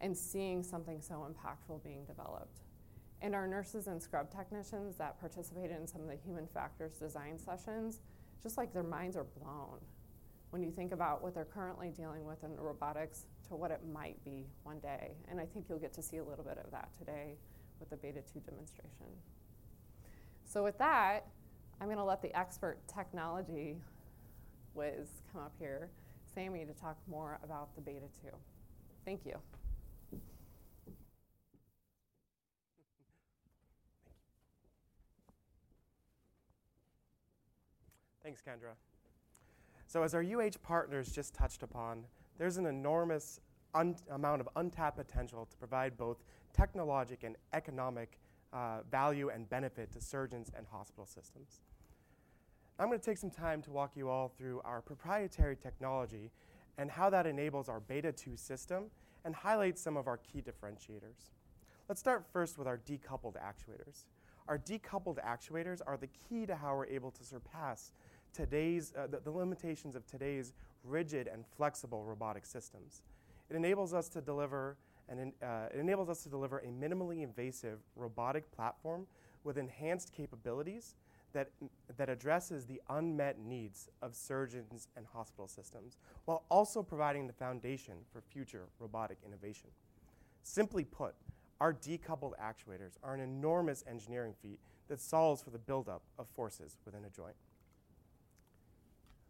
and seeing something so impactful being developed. Our nurses and scrub technicians that participated in some of the human factors design sessions, just like their minds are blown when you think about what they're currently dealing with in robotics to what it might be one day. I think you'll get to see a little bit of that today with the Beta 2 demonstration. With that, I'm gonna let the expert technology whiz come up here, Sammy, to talk more about the Beta 2. Thank you. Thanks, Kendra. As our UH partners just touched upon, there's an enormous amount of untapped potential to provide both technologic and economic value and benefit to surgeons and hospital systems. I'm gonna take some time to walk you all through our proprietary technology and how that enables our Beta 2 system and highlight some of our key differentiators. Let's start first with our decoupled actuators. Our decoupled actuators are the key to how we're able to surpass today's limitations of today's rigid and flexible robotic systems. It enables us to deliver a minimally invasive robotic platform with enhanced capabilities that addresses the unmet needs of surgeons and hospital systems, while also providing the foundation for future robotic innovation. Simply put, our decoupled actuators are an enormous engineering feat that solves for the buildup of forces within a joint.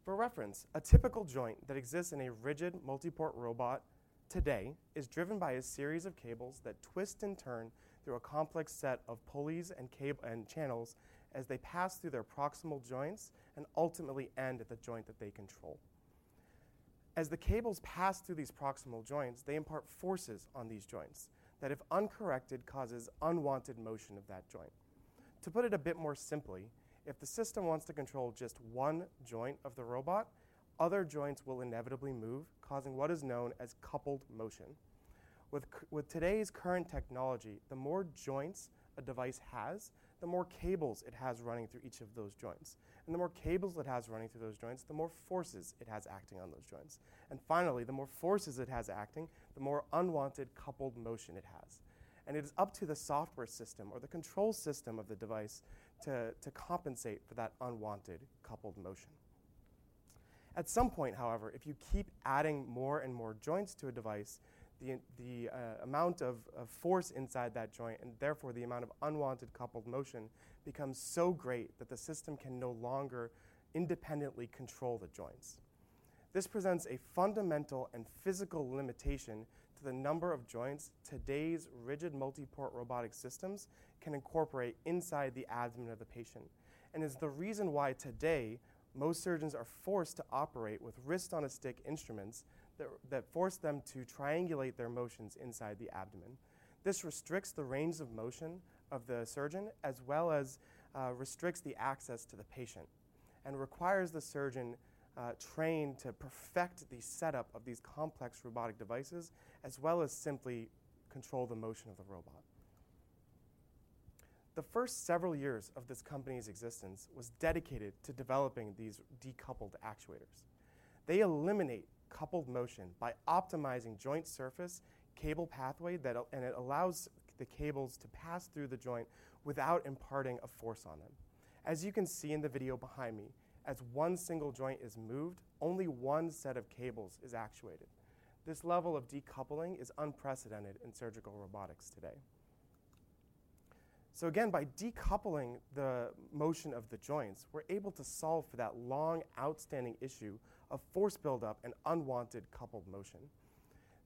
For reference, a typical joint that exists in a rigid multi-port robot today is driven by a series of cables that twist and turn through a complex set of pulleys and channels as they pass through their proximal joints and ultimately end at the joint that they control. As the cables pass through these proximal joints, they impart forces on these joints that, if uncorrected, causes unwanted motion of that joint. To put it a bit more simply, if the system wants to control just one joint of the robot, other joints will inevitably move, causing what is known as coupled motion. With today's current technology, the more joints a device has, the more cables it has running through each of those joints, and the more cables it has running through those joints, the more forces it has acting on those joints. Finally, the more forces it has acting, the more unwanted coupled motion it has, and it is up to the software system or the control system of the device to compensate for that unwanted coupled motion. At some point, however, if you keep adding more and more joints to a device, the amount of force inside that joint, and therefore the amount of unwanted coupled motion, becomes so great that the system can no longer independently control the joints. This presents a fundamental and physical limitation to the number of joints today's rigid multi-port robotic systems can incorporate inside the abdomen of the patient and is the reason why today most surgeons are forced to operate with wrist-on-a-stick instruments that force them to triangulate their motions inside the abdomen. This restricts the range of motion of the surgeon as well as restricts the access to the patient and requires the surgeon train to perfect the setup of these complex robotic devices as well as simply control the motion of the robot. The first several years of this company's existence was dedicated to developing these decoupled actuators. They eliminate coupled motion by optimizing joint surface, cable pathway, and it allows the cables to pass through the joint without imparting a force on them. As you can see in the video behind me, as one single joint is moved, only one set of cables is actuated. This level of decoupling is unprecedented in surgical robotics today. Again, by decoupling the motion of the joints, we're able to solve for that long outstanding issue of force buildup and unwanted coupled motion.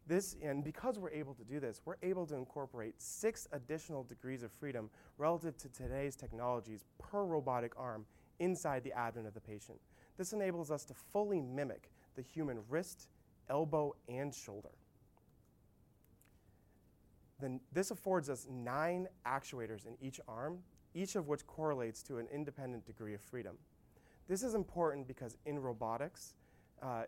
This, because we're able to do this, we're able to incorporate six additional degrees of freedom relative to today's technologies per robotic arm inside the abdomen of the patient. This enables us to fully mimic the human wrist, elbow and shoulder. This affords us nine actuators in each arm, each of which correlates to an independent degree of freedom. This is important because in robotics,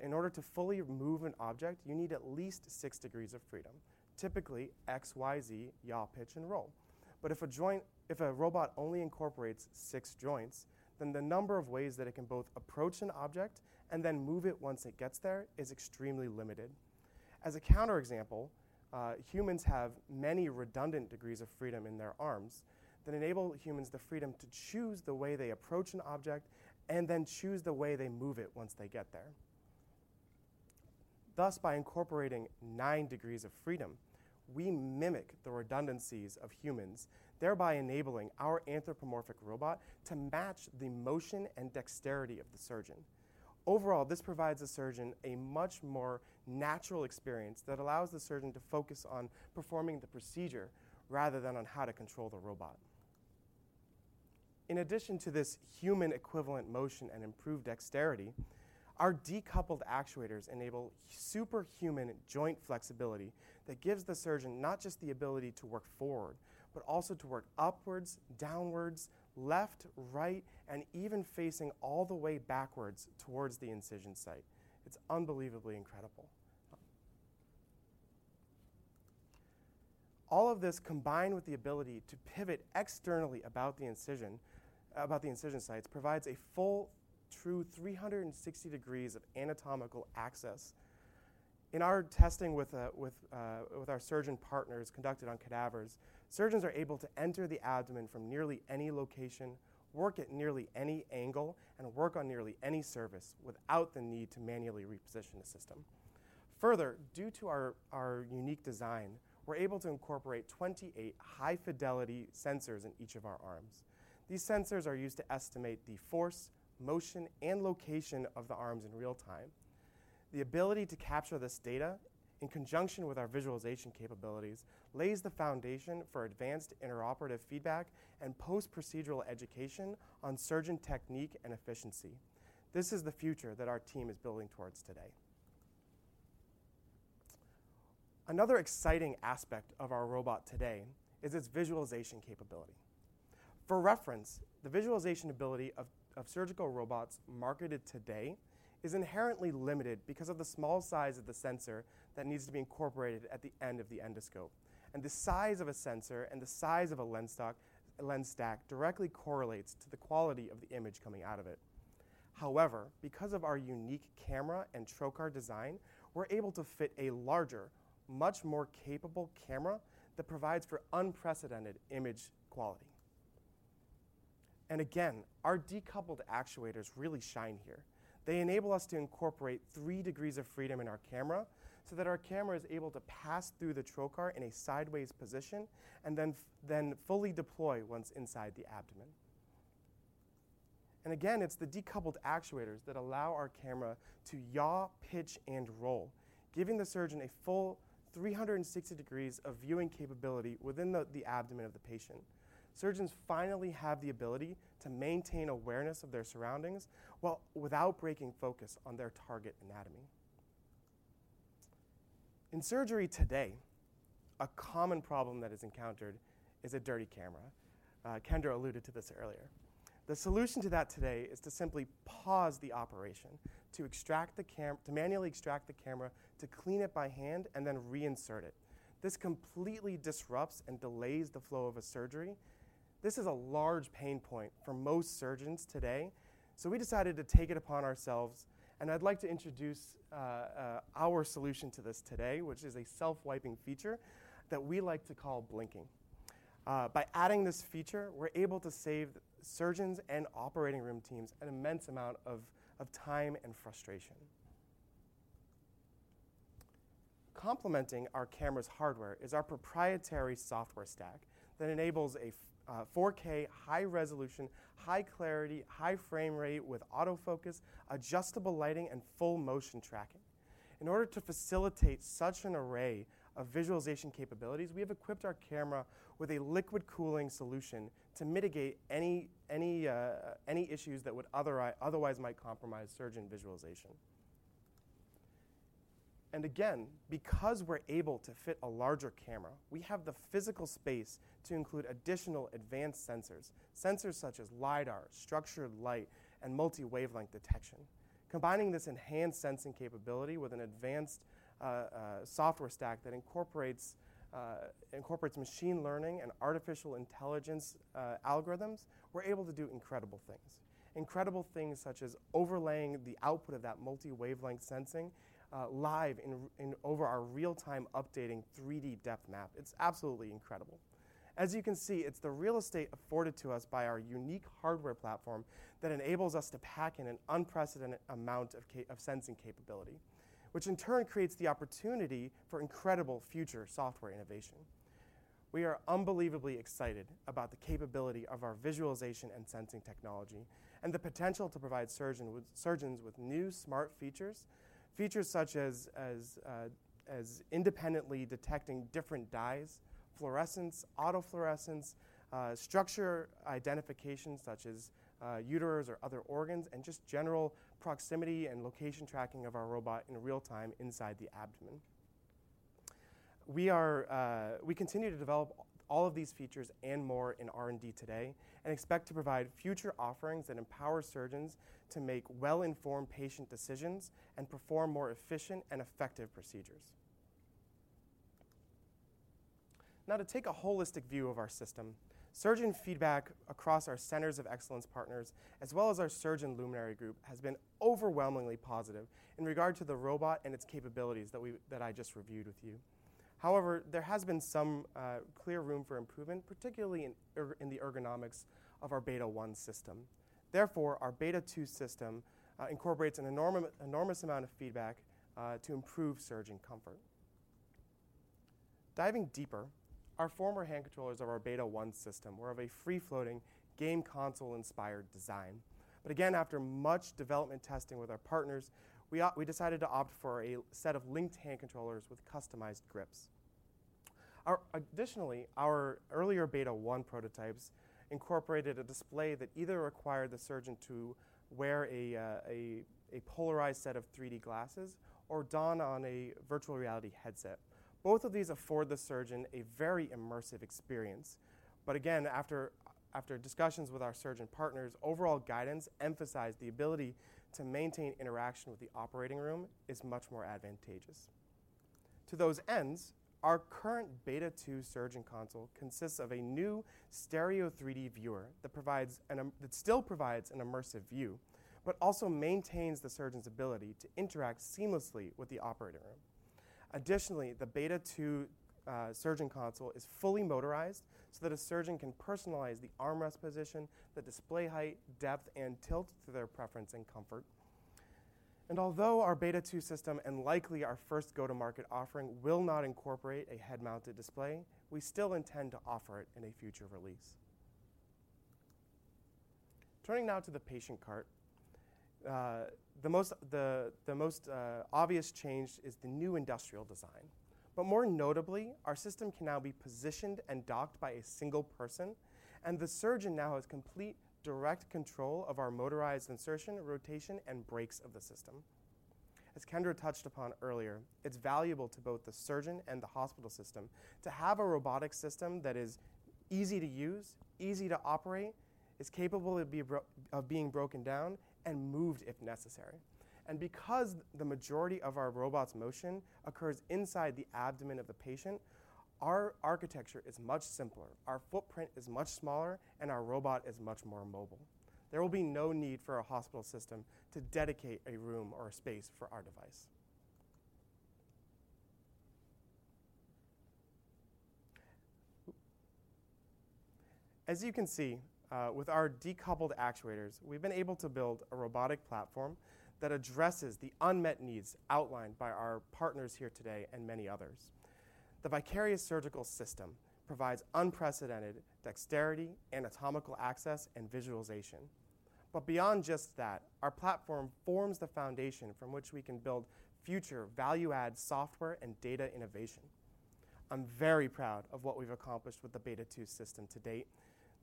in order to fully move an object, you need at least 6 degrees of freedom. Typically X, Y, Z, yaw, pitch, and roll. If a robot only incorporates six joints, then the number of ways that it can both approach an object and then move it once it gets there is extremely limited. A counter example, humans have many redundant degrees of freedom in their arms that enable humans the freedom to choose the way they approach an object, and then choose the way they move it once they get there. By incorporating 9 degrees of freedom, we mimic the redundancies of humans, thereby enabling our anthropomorphic robot to match the motion and dexterity of the surgeon. Overall, this provides the surgeon a much more natural experience that allows the surgeon to focus on performing the procedure rather than on how to control the robot. In addition to this human equivalent motion and improved dexterity, our decoupled actuators enable superhuman joint flexibility that gives the surgeon not just the ability to work forward, but also to work upwards, downwards, left, right, and even facing all the way backwards towards the incision site. It's unbelievably incredible. All of this combined with the ability to pivot externally about the incision, about the incision sites provides a full true 360 degrees of anatomical access. In our testing with our surgeon partners conducted on cadavers, surgeons are able to enter the abdomen from nearly any location, work at nearly any angle, and work on nearly any surface without the need to manually reposition the system. Due to our unique design, we're able to incorporate 28 high fidelity sensors in each of our arms. These sensors are used to estimate the force, motion, and location of the arms in real time. The ability to capture this data in conjunction with our visualization capabilities lays the foundation for advanced intraoperative feedback and post-procedural education on surgeon technique and efficiency. This is the future that our team is building towards today. Another exciting aspect of our robot today is its visualization capability. For reference, the visualization ability of surgical robots marketed today is inherently limited because of the small size of the sensor that needs to be incorporated at the end of the endoscope. The size of a sensor and the size of a lens stack directly correlates to the quality of the image coming out of it. However, because of our unique camera and trocar design, we're able to fit a larger, much more capable camera that provides for unprecedented image quality. Again, our decoupled actuators really shine here. They enable us to incorporate three degrees of freedom in our camera, so that our camera is able to pass through the trocar in a sideways position and then fully deploy once inside the abdomen. Again, it's the decoupled actuators that allow our camera to yaw, pitch, and roll, giving the surgeon a full 360 degrees of viewing capability within the abdomen of the patient. Surgeons finally have the ability to maintain awareness of their surroundings while without breaking focus on their target anatomy. In surgery today, a common problem that is encountered is a dirty camera. Kendra alluded to this earlier. The solution to that today is to simply pause the operation, to manually extract the camera, to clean it by hand and then reinsert it. This completely disrupts and delays the flow of a surgery. This is a large pain point for most surgeons today. We decided to take it upon ourselves. I'd like to introduce our solution to this today, which is a self-wiping feature that we like to call blinking. By adding this feature, we're able to save surgeons and operating room teams an immense amount of time and frustration. Complementing our camera's hardware is our proprietary software stack that enables 4K high resolution, high clarity, high frame rate with autofocus, adjustable lighting, and full motion tracking. In order to facilitate such an array of visualization capabilities, we have equipped our camera with a liquid cooling solution to mitigate any issues that would otherwise might compromise surgeon visualization. Again, because we're able to fit a larger camera, we have the physical space to include additional advanced sensors. Sensors such as LIDAR, structured light, and multi-wavelength detection. Combining this enhanced sensing capability with an advanced software stack that incorporates machine learning and artificial intelligence algorithms, we're able to do incredible things. Incredible things such as overlaying the output of that multi-wavelength sensing live in over our real-time updating 3D depth map. It's absolutely incredible. As you can see, it's the real estate afforded to us by our unique hardware platform that enables us to pack in an unprecedented amount of sensing capability, which in turn creates the opportunity for incredible future software innovation. We are unbelievably excited about the capability of our visualization and sensing technology and the potential to provide surgeon with... Surgeons with new smart features such as independently detecting different dyes, fluorescence, autofluorescence, structure identification such as uterus or other organs, and just general proximity and location tracking of our robot in real time inside the abdomen. We continue to develop all of these features and more in R&D today and expect to provide future offerings that empower surgeons to make well-informed patient decisions and perform more efficient and effective procedures. Now, to take a holistic view of our system, surgeon feedback across our centers of excellence partners as well as our surgeon luminary group has been overwhelmingly positive in regard to the robot and its capabilities that I just reviewed with you. However, there has been some clear room for improvement, particularly in the ergonomics of our Beta 1 system. Our Beta 2 system incorporates an enormous amount of feedback to improve surgeon comfort. Diving deeper, our former hand controllers of our Beta 1 system were of a free-floating game console inspired design. Again, after much development testing with our partners, we decided to opt for a set of linked hand controllers with customized grips. Additionally, our earlier Beta 1 prototypes incorporated a display that either required the surgeon to wear a polarized set of 3D glasses or don on a virtual reality headset. Both of these afford the surgeon a very immersive experience. Again, after discussions with our surgeon partners, overall guidance emphasized the ability to maintain interaction with the operating room is much more advantageous. To those ends, our current Beta 2 surgeon console consists of a new stereo 3D viewer that still provides an immersive view but also maintains the surgeon's ability to interact seamlessly with the operating room. Additionally, the Beta 2 surgeon console is fully motorized so that a surgeon can personalize the armrest position, the display height, depth, and tilt to their preference and comfort. Although our Beta 2 system and likely our first go-to-market offering will not incorporate a head-mounted display, we still intend to offer it in a future release. Turning now to the patient cart. The most obvious change is the new industrial design. More notably, our system can now be positioned and docked by a single person, and the surgeon now has complete direct control of our motorized insertion, rotation, and brakes of the system. As Kendra touched upon earlier, it's valuable to both the surgeon and the hospital system to have a robotic system that is easy to use, easy to operate, is capable of being broken down, and moved if necessary. Because the majority of our robot's motion occurs inside the abdomen of the patient, our architecture is much simpler, our footprint is much smaller, and our robot is much more mobile. There will be no need for a hospital system to dedicate a room or a space for our device. As you can see, with our decoupled actuators, we've been able to build a robotic platform that addresses the unmet needs outlined by our partners here today and many others. The Vicarious Surgical system provides unprecedented dexterity, anatomical access, and visualization. Beyond just that, our platform forms the foundation from which we can build future value-add software and data innovation. I'm very proud of what we've accomplished with the Beta 2 system to date.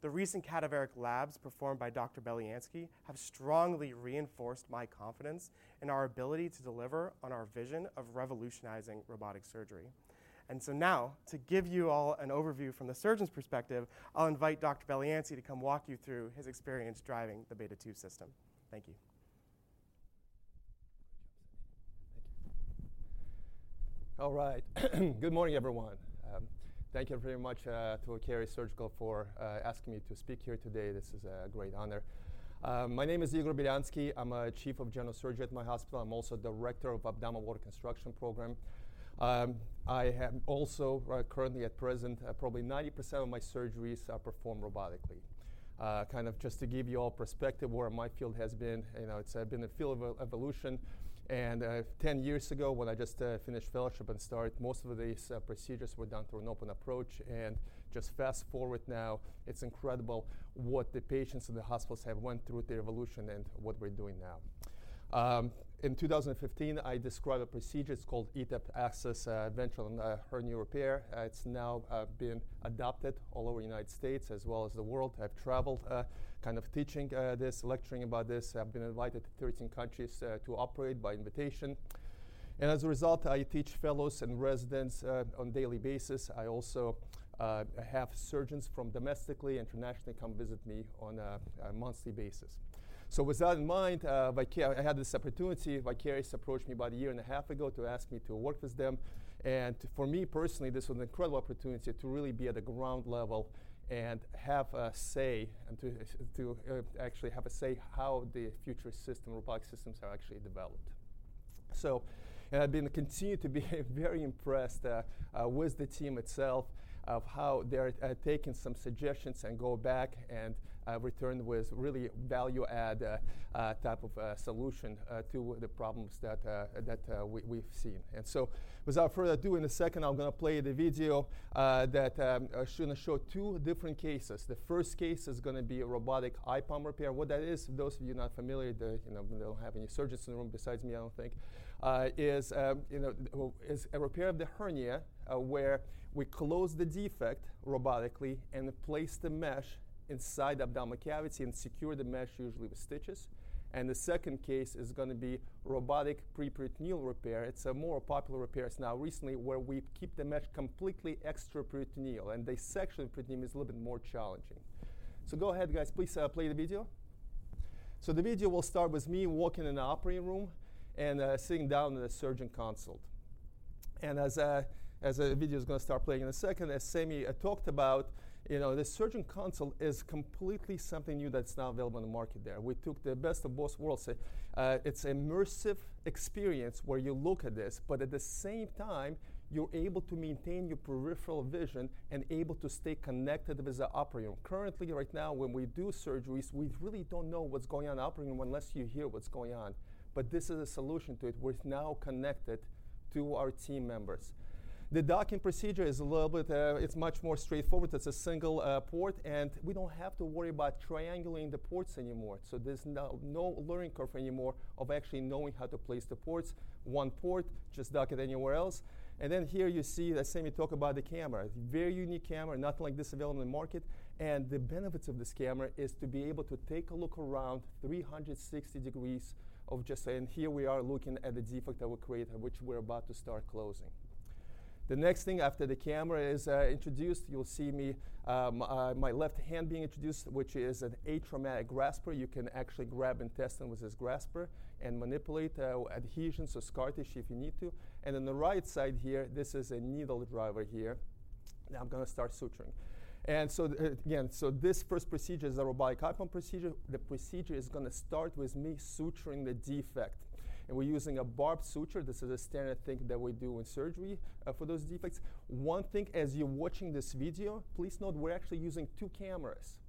The recent cadaveric labs performed by Dr. Belyansky have strongly reinforced my confidence in our ability to deliver on our vision of revolutionizing robotic surgery. Now, to give you all an overview from the surgeon's perspective, I'll invite Dr. Belyansky to come walk you through his experience driving the Beta 2 system. Thank you. Thank you. All right. Good morning, everyone. Thank you very much to Vicarious Surgical for asking me to speak here today. This is a great honor. My name is Igor Belyansky. I'm Chief of General Surgery at my hospital. I'm also Director of Abdominal Wall Reconstruction Program. I am also, currently at present, probably 90% of my surgeries are performed robotically. Kind of just to give you all perspective where my field has been, you know, it's been a field of e-evolution, and 10 years ago, when I just finished fellowship and start, most of these procedures were done through an open approach, and just fast-forward now, it's incredible what the patients in the hospitals have went through with the evolution and what we're doing now. In 2015, I described a procedure. It's called eTEP access, ventral in hernia repair. It's now been adopted all over United States as well as the world. I've traveled kind of teaching this, lecturing about this. I've been invited to 13 countries to operate by invitation. As a result, I teach fellows and residents on daily basis. I also have surgeons from domestically, internationally come visit me on a monthly basis. With that in mind, I had this opportunity. Vicarious approached me about a year and a half ago to ask me to work with them. For me personally, this was an incredible opportunity to really be at the ground level and have a say and to actually have a say how the future system, robotic systems are actually developed. I've been continued to be very impressed with the team itself of how they're taking some suggestions and go back and return with really value add type of solution to the problems that we've seen. Without further ado, in a second, I'm gonna play the video that is gonna show two different cases. The first case is gonna be a robotic hiatal hernia repair. What that is, those of you not familiar, the, you know, we don't have any surgeons in the room besides me, I don't think, is a repair of the hernia, where we close the defect robotically and place the mesh inside the abdominal cavity and secure the mesh usually with stitches. The second case is gonna be robotic preperitoneal repair. It's a more popular repairs now recently, where we keep the mesh completely extraperitoneal, and the section of peritoneum is a little bit more challenging. Go ahead, guys. Please, play the video. The video will start with me walking in the operating room and, sitting down in a surgeon consult. As a video is going to start playing in a second, as Sammy talked about, you know, the surgeon consult is completely something new that's now available in the market there. We took the best of both worlds. It's immersive experience where you look at this, but at the same time, you're able to maintain your peripheral vision and able to stay connected with the operating room. Currently, right now, when we do surgeries, we really don't know what's going on in the operating room unless you hear what's going on. This is a solution to it. We're now connected to our team members. The docking procedure is a little bit, it's much more straightforward. It's a single port, and we don't have to worry about triangling the ports anymore. There's no learning curve anymore of actually knowing how to place the ports. One port, just dock it anywhere else. Here you see that Sammy talk about the camera. Very unique camera, nothing like this available in the market. The benefits of this camera is to be able to take a look around 360 degrees of just. Here we are looking at the defect that we created, which we're about to start closing. The next thing after the camera is introduced, you'll see me, my left hand being introduced, which is an atraumatic grasper. You can actually grab intestine with this grasper and manipulate adhesions or scar tissue if you need to. The right side here, this is a needle driver here. Now I'm gonna start suturing. Again, this first procedure is a robotic hiatal procedure. The procedure is going to start with me suturing the defect. We're using a barbed suture. This is a standard thing that we do in surgery for those defects. One thing, as you're watching this video, please note we're actually using two cameras.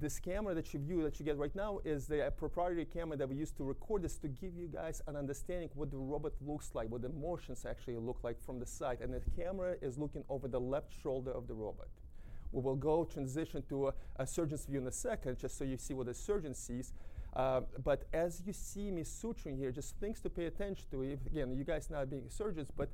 This camera that you view, that you get right now is the proprietary camera that we use to record this to give you guys an understanding what the robot looks like, what the motions actually look like from the side. The camera is looking over the left shoulder of the robot. We will transition to a surgeon's view in a second, just so you see what the surgeon sees. As you see me suturing here, just things to pay attention to. If, again, you guys not being surgeons, but,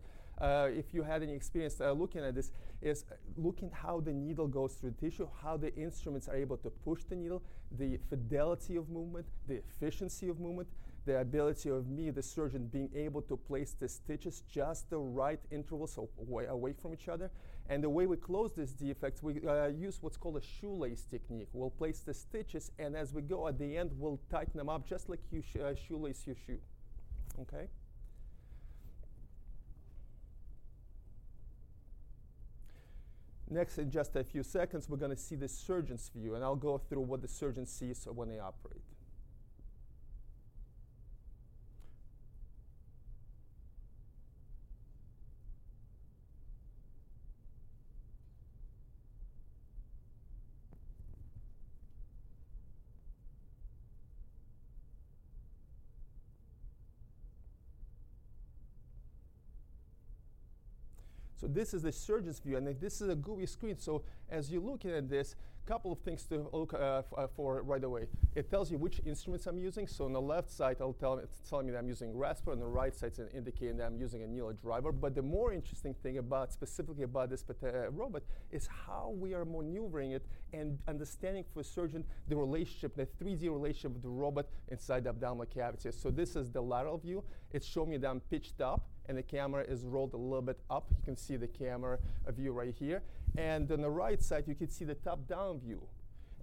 if you had any experience looking at this, is looking how the needle goes through tissue, how the instruments are able to push the needle, the fidelity of movement, the efficiency of movement, the ability of me, the surgeon, being able to place the stitches just the right interval, so away from each other. The way we close this defect, we use what's called a shoelace technique. We'll place the stitches, and as we go, at the end, we'll tighten them up just like you shoelace your shoe. Okay? Next, in just a few seconds, we're gonna see the surgeon's view, and I'll go through what the surgeon sees when they operate. This is the surgeon's view, and this is a GUI screen. As you're looking at this, couple of things to look for right away. It tells you which instruments I'm using. On the left side, it's telling me that I'm using grasper. On the right side, it's indicating that I'm using a needle driver. The more interesting thing about, specifically about this robot is how we are maneuvering it and understanding for a surgeon the relationship, the 3D relationship with the robot inside the abdominal cavity. This is the lateral view. It's showing me that I'm pitched up, and the camera is rolled a little bit up. You can see the camera view right here. On the right side, you can see the top-down view.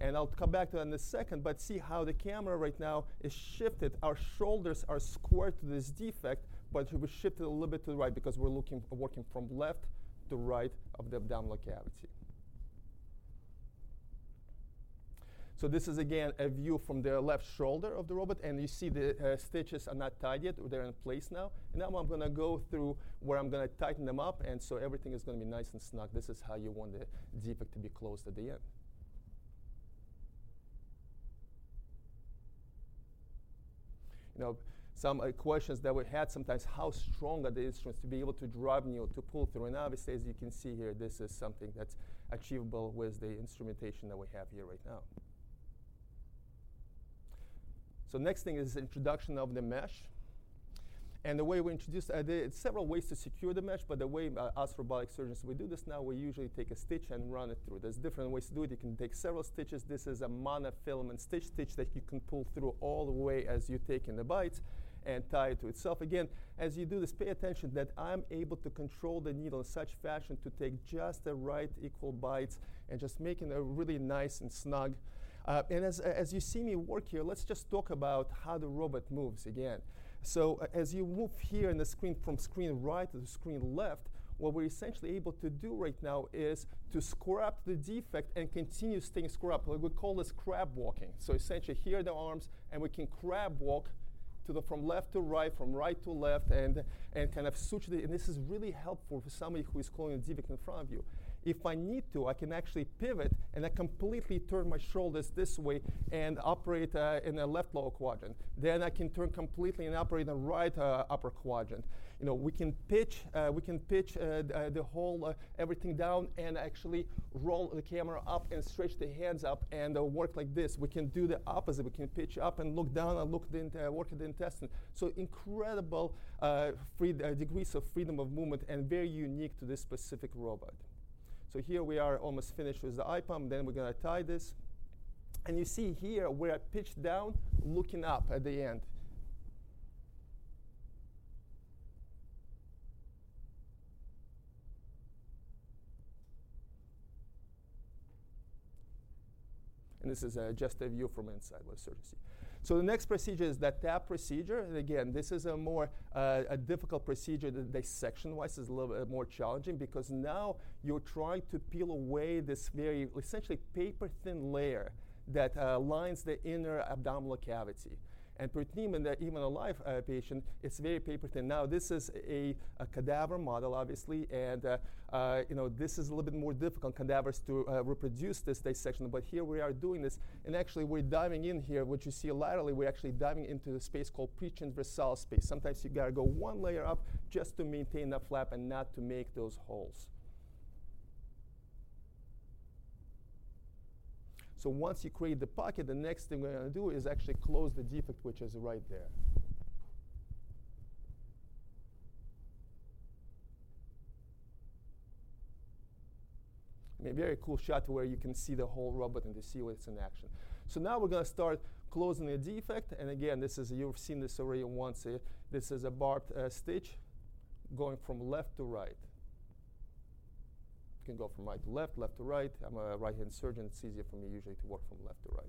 I'll come back to that in a second, but see how the camera right now is shifted. Our shoulders are square to this defect, but we shifted a little bit to the right because we're looking, working from left to right of the abdominal cavity. This is again, a view from the left shoulder of the robot, and you see the stitches are not tied yet. They're in place now. Now I'm gonna go through where I'm gonna tighten them up, and so everything is gonna be nice and snug. This is how you want the defect to be closed at the end. You know, some questions that we had sometimes, how strong are the instruments to be able to drive needle to pull through? Obviously, as you can see here, this is something that's achievable with the instrumentation that we have here right now. Next thing is introduction of the mesh. The way we introduce... Several ways to secure the mesh, but the way us robotic surgeons, we do this now, we usually take a stitch and run it through. There's different ways to do it. You can take several stitches. This is a monofilament stitch that you can pull through all the way as you're taking the bite and tie it to itself. Again, as you do this, pay attention that I'm able to control the needle in such fashion to take just the right equal bites and just making it really nice and snug. And as you see me work here, let's just talk about how the robot moves again. As you move here in the screen from screen right to the screen left, what we're essentially able to do right now is to scrap the defect and continue staying scrap. We call this crab walking. Essentially, here are the arms, and we can crab walk from left to right, from right to left, and kind of switch the. This is really helpful for somebody who is calling a defect in front of you. If I need to, I can actually pivot, and I completely turn my shoulders this way and operate in the left lower quadrant. I can turn completely and operate in the right upper quadrant. You know, we can pitch the whole everything down and actually roll the camera up and stretch the hands up and work like this. We can do the opposite. We can pitch up and look down and look the work the intestine. Incredible degrees of freedom of movement and very unique to this specific robot. Here we are almost finished with the IPOM, then we're gonna tie this. You see here, we're pitched down, looking up at the end. This is just a view from inside the surgery. The next procedure is the TAP procedure. Again, this is a more difficult procedure dissection-wise. It's a little bit more challenging because now you're trying to peel away this very essentially paper-thin layer that lines the inner abdominal cavity. Peritoneum in the even alive patient, it's very paper-thin. Now, this is a cadaver model, obviously, and, you know, this is a little bit more difficult, cadavers, to reproduce this dissection. Here we are doing this, and actually we're diving in here. What you see laterally, we're actually diving into the space called pre-rectus and prevesical space. Sometimes you gotta go one layer up just to maintain the flap and not to make those holes. Once you create the pocket, the next thing we're gonna do is actually close the defect, which is right there. I mean, a very cool shot to where you can see the whole robot and to see what it's in action. Now we're gonna start closing the defect, and again, this is. You've seen this already once. This is a barbed stitch going from left to right. You can go from right to left to right. I'm a right-hand surgeon. It's easier for me usually to work from left to right.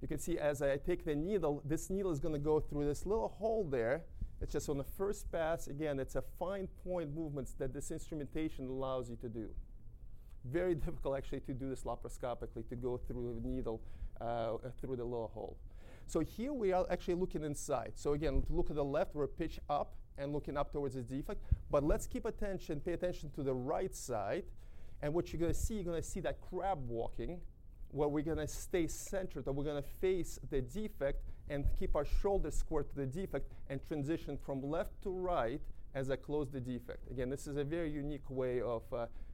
You can see as I take the needle, this needle is gonna go through this little hole there. It's just on the first pass. It's a fine point movements that this instrumentation allows you to do. Very difficult actually to do this laparoscopically, to go through a needle, through the little hole. Here we are actually looking inside. Again, look at the left. We're pitched up and looking up towards the defect. Let's keep attention, pay attention to the right side, and what you're gonna see, you're gonna see that crab walking, where we're gonna stay centered, and we're gonna face the defect and keep our shoulders square to the defect and transition from left to right as I close the defect. This is a very unique way of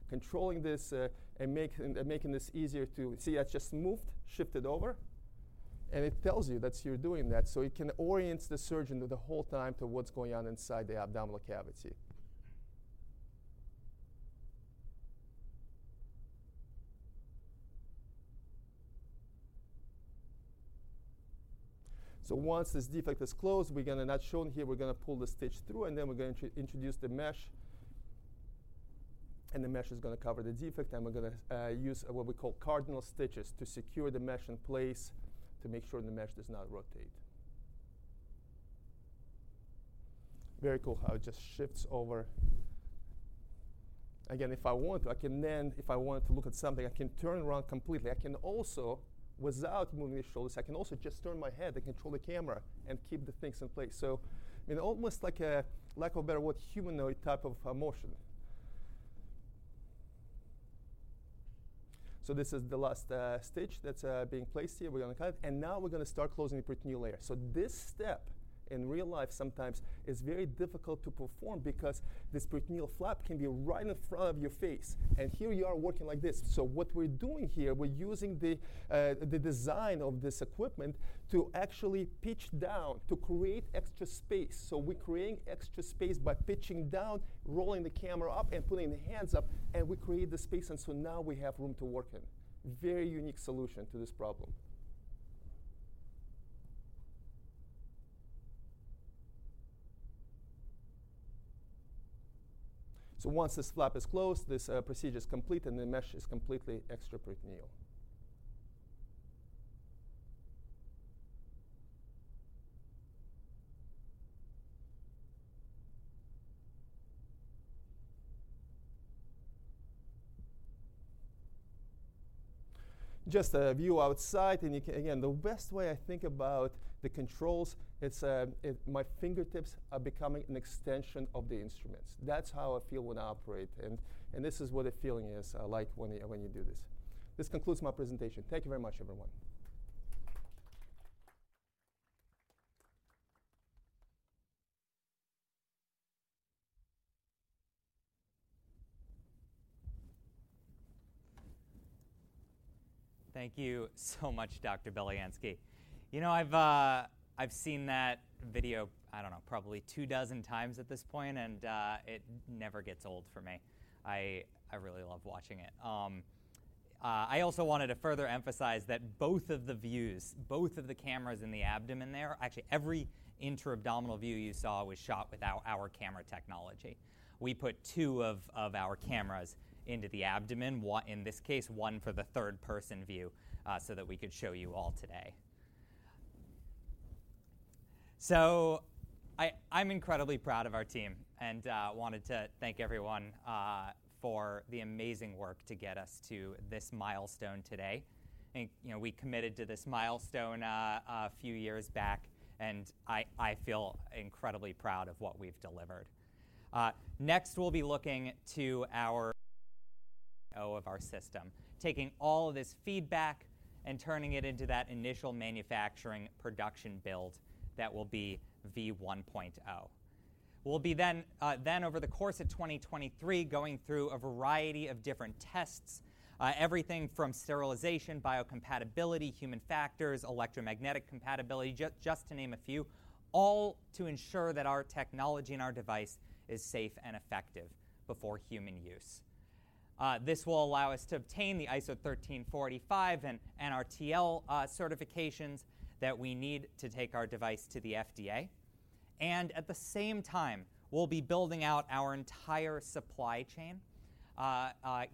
controlling this and making this easier to. See, I just moved, shifted over, and it tells you that you're doing that. It can orient the surgeon the whole time to what's going on inside the abdominal cavity. Once this defect is closed, Not shown here, we're gonna pull the stitch through, and then we're going to introduce the mesh, and the mesh is gonna cover the defect, and we're gonna use what we call cardinal stitches to secure the mesh in place to make sure the mesh does not rotate. Very cool how it just shifts over. Again, if I want to, I can then, if I wanted to look at something, I can turn around completely. I can also, without moving the shoulders, I can also just turn my head and control the camera and keep the things in place. In almost like a, lack of a better word, humanoid type of motion. This is the last stitch that's being placed here. We're gonna cut it. Now we're gonna start closing the peritoneal layer. This step in real life sometimes is very difficult to perform because this peritoneal flap can be right in front of your face, and here you are working like this. What we're doing here, we're using the design of this equipment to actually pitch down to create extra space. We're creating extra space by pitching down, rolling the camera up, and putting the hands up, and we create the space. Now we have room to work in. Very unique solution to this problem. Once this flap is closed, this procedure is complete, and the mesh is completely extraperitoneal. Just a view outside, and you can... The best way I think about the controls, it's my fingertips are becoming an extension of the instruments. That's how I feel when I operate, and this is what the feeling is like when you do this. This concludes my presentation. Thank you very much, everyone. Thank you so much, Dr. Belyansky. You know, I've seen that video, I don't know, probably two dozen times at this point, and it never gets old for me. I really love watching it. I also wanted to further emphasize that both of the views, both of the cameras in the abdomen there, actually every intra-abdominal view you saw was shot with our camera technology. We put two of our cameras into the abdomen, in this case, one for the third-person view, so that we could show you all today. I'm incredibly proud of our team and wanted to thank everyone for the amazing work to get us to this milestone today. You know, we committed to this milestone a few years back, and I feel incredibly proud of what we've delivered. Next, we'll be looking to our of our system, taking all this feedback and turning it into that initial manufacturing production build that will be V1.0. We'll be then over the course of 2023, going through a variety of different tests, everything from sterilization, biocompatibility, human factors, electromagnetic compatibility, just to name a few, all to ensure that our technology and our device is safe and effective before human use. This will allow us to obtain the ISO 13485 and NRTL certifications that we need to take our device to the FDA. At the same time, we'll be building out our entire supply chain,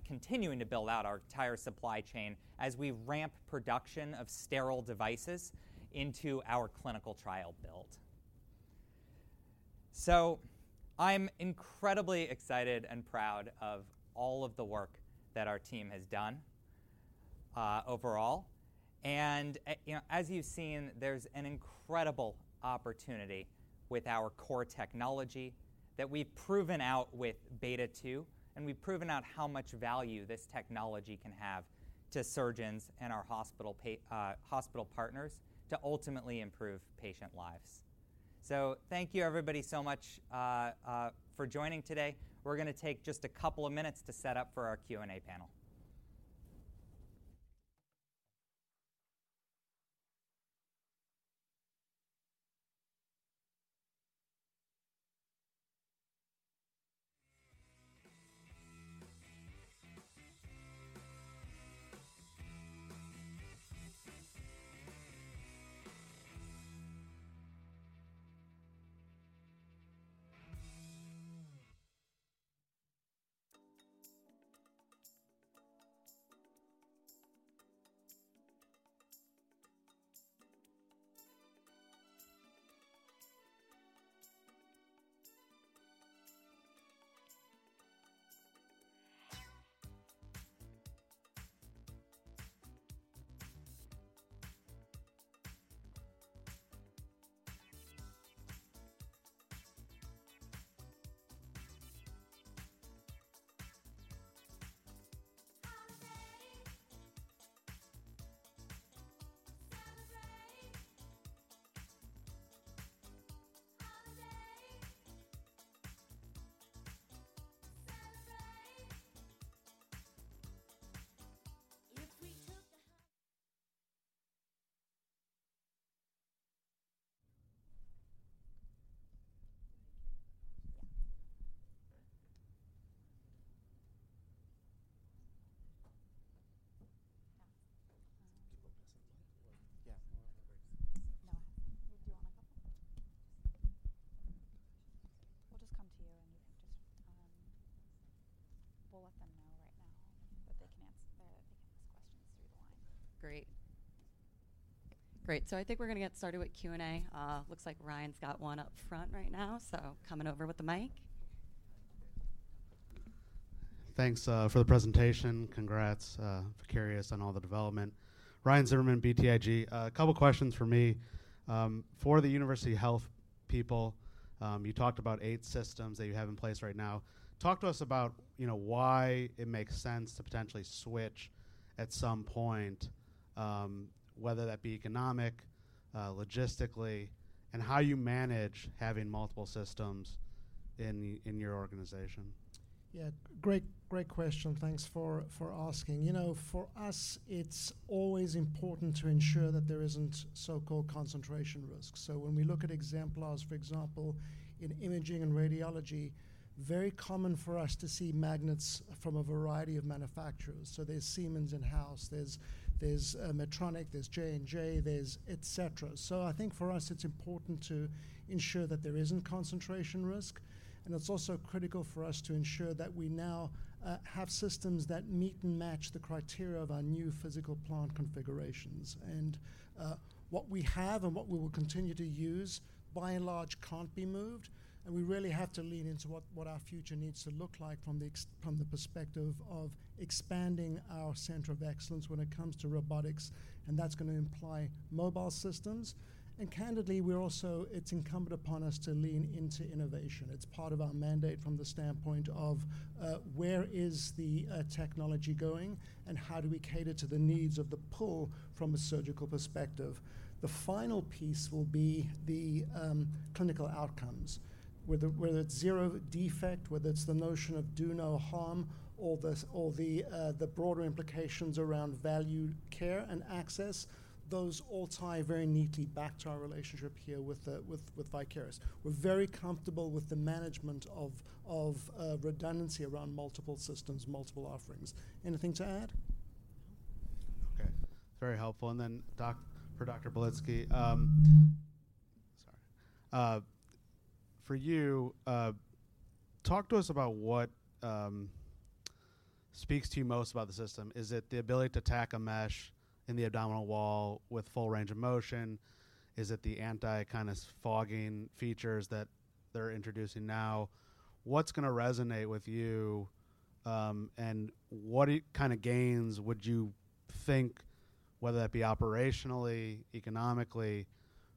continuing to build out our entire supply chain as we ramp production of sterile devices into our clinical trial build. I'm incredibly excited and proud of all of the work that our team has done overall. You know, as you've seen, there's an incredible opportunity with our core technology that we've proven out with Beta 2, and we've proven out how much value this technology can have to surgeons and our hospital partners to ultimately improve patient lives. Thank you everybody so much for joining today. We're gonna take just a couple of minutes to set up for our Q&A panel. Great. I think we're gonna get started with Q&A. Looks like Ryan's got one up front right now, so coming over with the mic. Thanks for the presentation. Congrats, Vicarious, on all the development. Ryan Zimmerman, BTIG. A couple questions for me. For the University Hospitals people, you talked about eight systems that you have in place right now. Talk to us about, you know, why it makes sense to potentially switch at some point, whether that be economic, logistically, and how you manage having multiple systems in your organization? Yeah. Great question. Thanks for asking. You know, for us, it's always important to ensure that there isn't so-called concentration risk. When we look at exemplars, for example, in imaging and radiology, very common for us to see magnets from a variety of manufacturers. There's Siemens in-house, there's Medtronic, there's J&J, there's et cetera. I think for us, it's important to ensure that there isn't concentration risk, and it's also critical for us to ensure that we now have systems that meet and match the criteria of our new physical plant configurations. What we have and what we will continue to use, by and large, can't be moved, and we really have to lean into what our future needs to look like from the perspective of expanding our center of excellence when it comes to robotics, and that's gonna imply mobile systems. Candidly, we're also. It's incumbent upon us to lean into innovation. It's part of our mandate from the standpoint of, where is the technology going, and how do we cater to the needs of the pull from a surgical perspective? The final piece will be the clinical outcomes, whether it's zero defect, whether it's the notion of do no harm, or the broader implications around valued care and access. Those all tie very neatly back to our relationship here with Vicarious. We're very comfortable with the management of redundancy around multiple systems, multiple offerings. Anything to add? Okay. Very helpful, and then, for Dr. Belyansky. Sorry. For you, talk to us about what- speaks to you most about the system? Is it the ability to tack a mesh in the abdominal wall with full range of motion? Is it the anti, kind of, fogging features that they're introducing now? What's gonna resonate with you, and what kinda gains would you think, whether that be operationally, economically,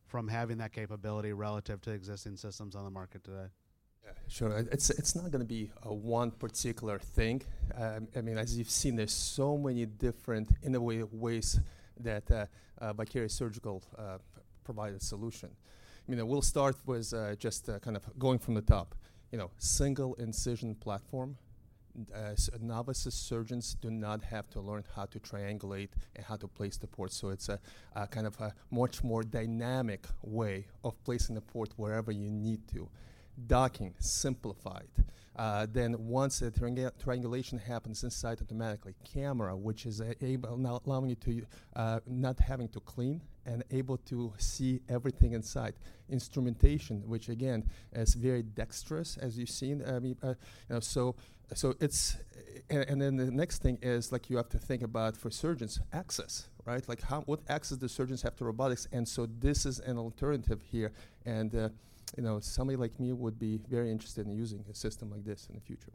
from having that capability relative to existing systems on the market today? Yeah, sure. It's, it's not gonna be a one particular thing. I mean, as you've seen, there's so many different, in a way, ways that Vicarious Surgical provide a solution. I mean, we'll start with just kind of going from the top. You know, single-incision platform. Novices surgeons do not have to learn how to triangulate and how to place the port, so it's a kind of a much more dynamic way of placing the port wherever you need to. Docking simplified. Once the triangulation happens inside automatically, camera, which is able now allowing you to not having to clean and able to see everything inside. Instrumentation, which again, is very dexterous as you've seen. I mean, you know, so it's... The next thing is, like you have to think about for surgeons, access, right? Like how, what access do surgeons have to robotics? This is an alternative here. You know, somebody like me would be very interested in using a system like this in the future.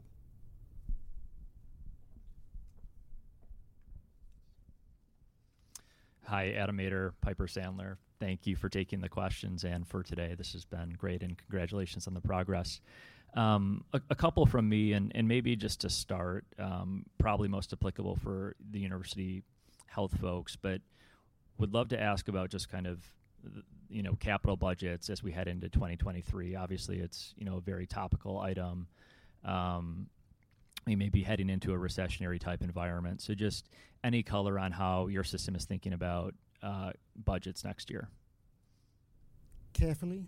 Hi, Adam Maeder. Piper Sandler. Thank you for taking the questions and for today. This has been great, and congratulations on the progress. A couple from me, and maybe just to start, probably most applicable for the University Health folks, but would love to ask about just kind of the, you know, capital budgets as we head into 2023. Obviously, it's, you know, a very topical item. We may be heading into a recessionary-type environment. Just any color on how your system is thinking about budgets next year? Carefully,